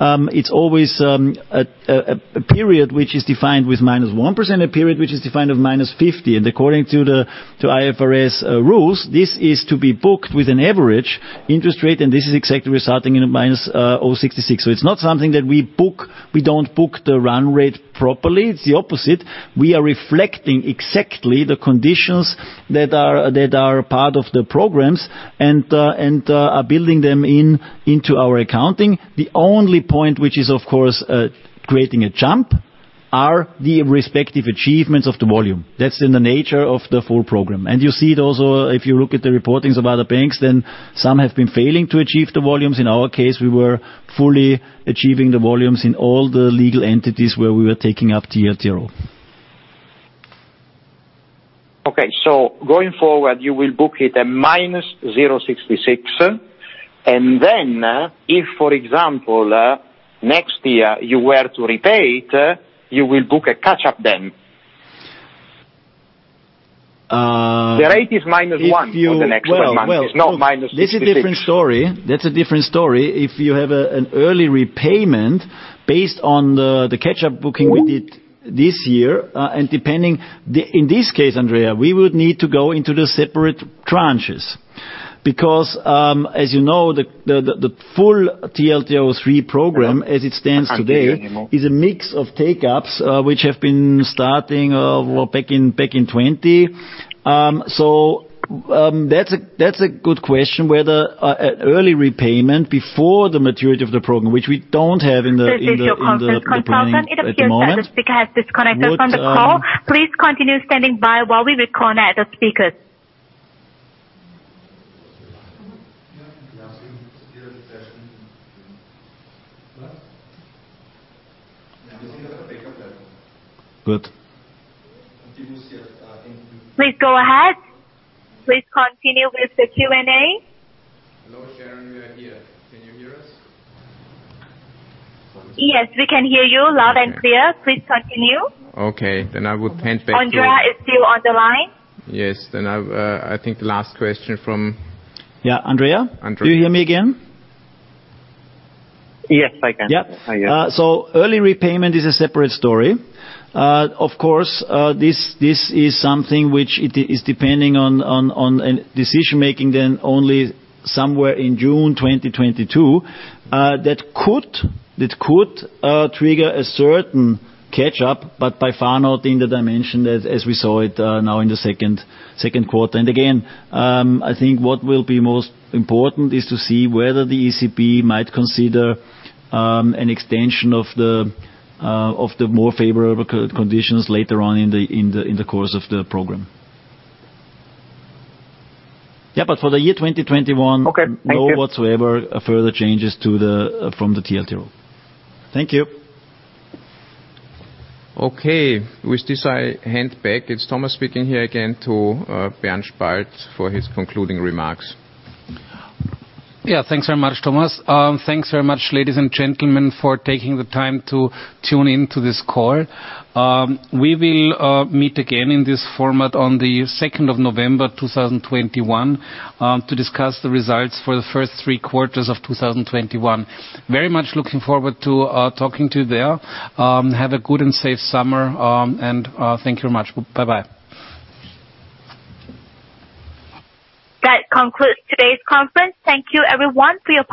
it's always a period which is defined with -1%, a period which is defined of -0.50%. According to IFRS rules, this is to be booked with an average interest rate, this is exactly resulting in a -0.66%. It's not something that we don't book the run rate properly. It's the opposite. We are reflecting exactly the conditions that are part of the programs and are building them into our accounting. The only point which is, of course, creating a jump are the respective achievements of the volume. That's in the nature of the full program. You see it also, if you look at the reportings of other banks, then some have been failing to achieve the volumes. In our case, we were fully achieving the volumes in all the legal entities where we were taking up TLTRO. Going forward, you will book it a minus 0.66. Then if, for example, next year you were to repay it, you will book a catch-up then? The rate is minus 1 for the next 12 months. It's not -66. That's a different story. If you have an early repayment based on the catch-up booking we did this year, and in this case, Andrea, we would need to go into the separate tranches. As you know, the full TLTRO III program as it stands today is a mix of take-ups, which have been starting back in 2020. That's a good question whether an early repayment before the maturity of the program, which we don't have in the planning at the moment. This is your conference consultant. It appears that the speaker has disconnected from the call. Please continue standing by while we reconnect the speakers. Good. Please go ahead. Please continue with the Q&A. Hello, Sharon, we are here. Can you hear us? Yes, we can hear you loud and clear. Please continue. Okay. I would hand back to you. Andrea, are you still on the line? Yes. I think the last question. Yeah, Andrea? Andrea, do you hear me again? Yes, I can. Yep. Early repayment is a separate story. Of course, this is something which is depending on decision-making then only somewhere in June 2022, that could trigger a certain catch-up, but by far not in the dimension as we saw it now in the second quarter. Again, I think what will be most important is to see whether the ECB might consider an extension of the more favorable conditions later on in the course of the program. Yeah, for the year 2021- Okay. Thank you. no whatsoever further changes from the TLTRO. Thank you. Okay. With this, I hand back, it's Thomas speaking here again, to Bernd Spalt for his concluding remarks. Yeah. Thanks very much, Thomas. Thanks very much, ladies and gentlemen, for taking the time to tune in to this call. We will meet again in this format on the 2nd of November 2021, to discuss the results for the first three quarters of 2021. Very much looking forward to talking to you there. Have a good and safe summer, and thank you very much. Bye-bye. That concludes today's conference. Thank you everyone for your participation.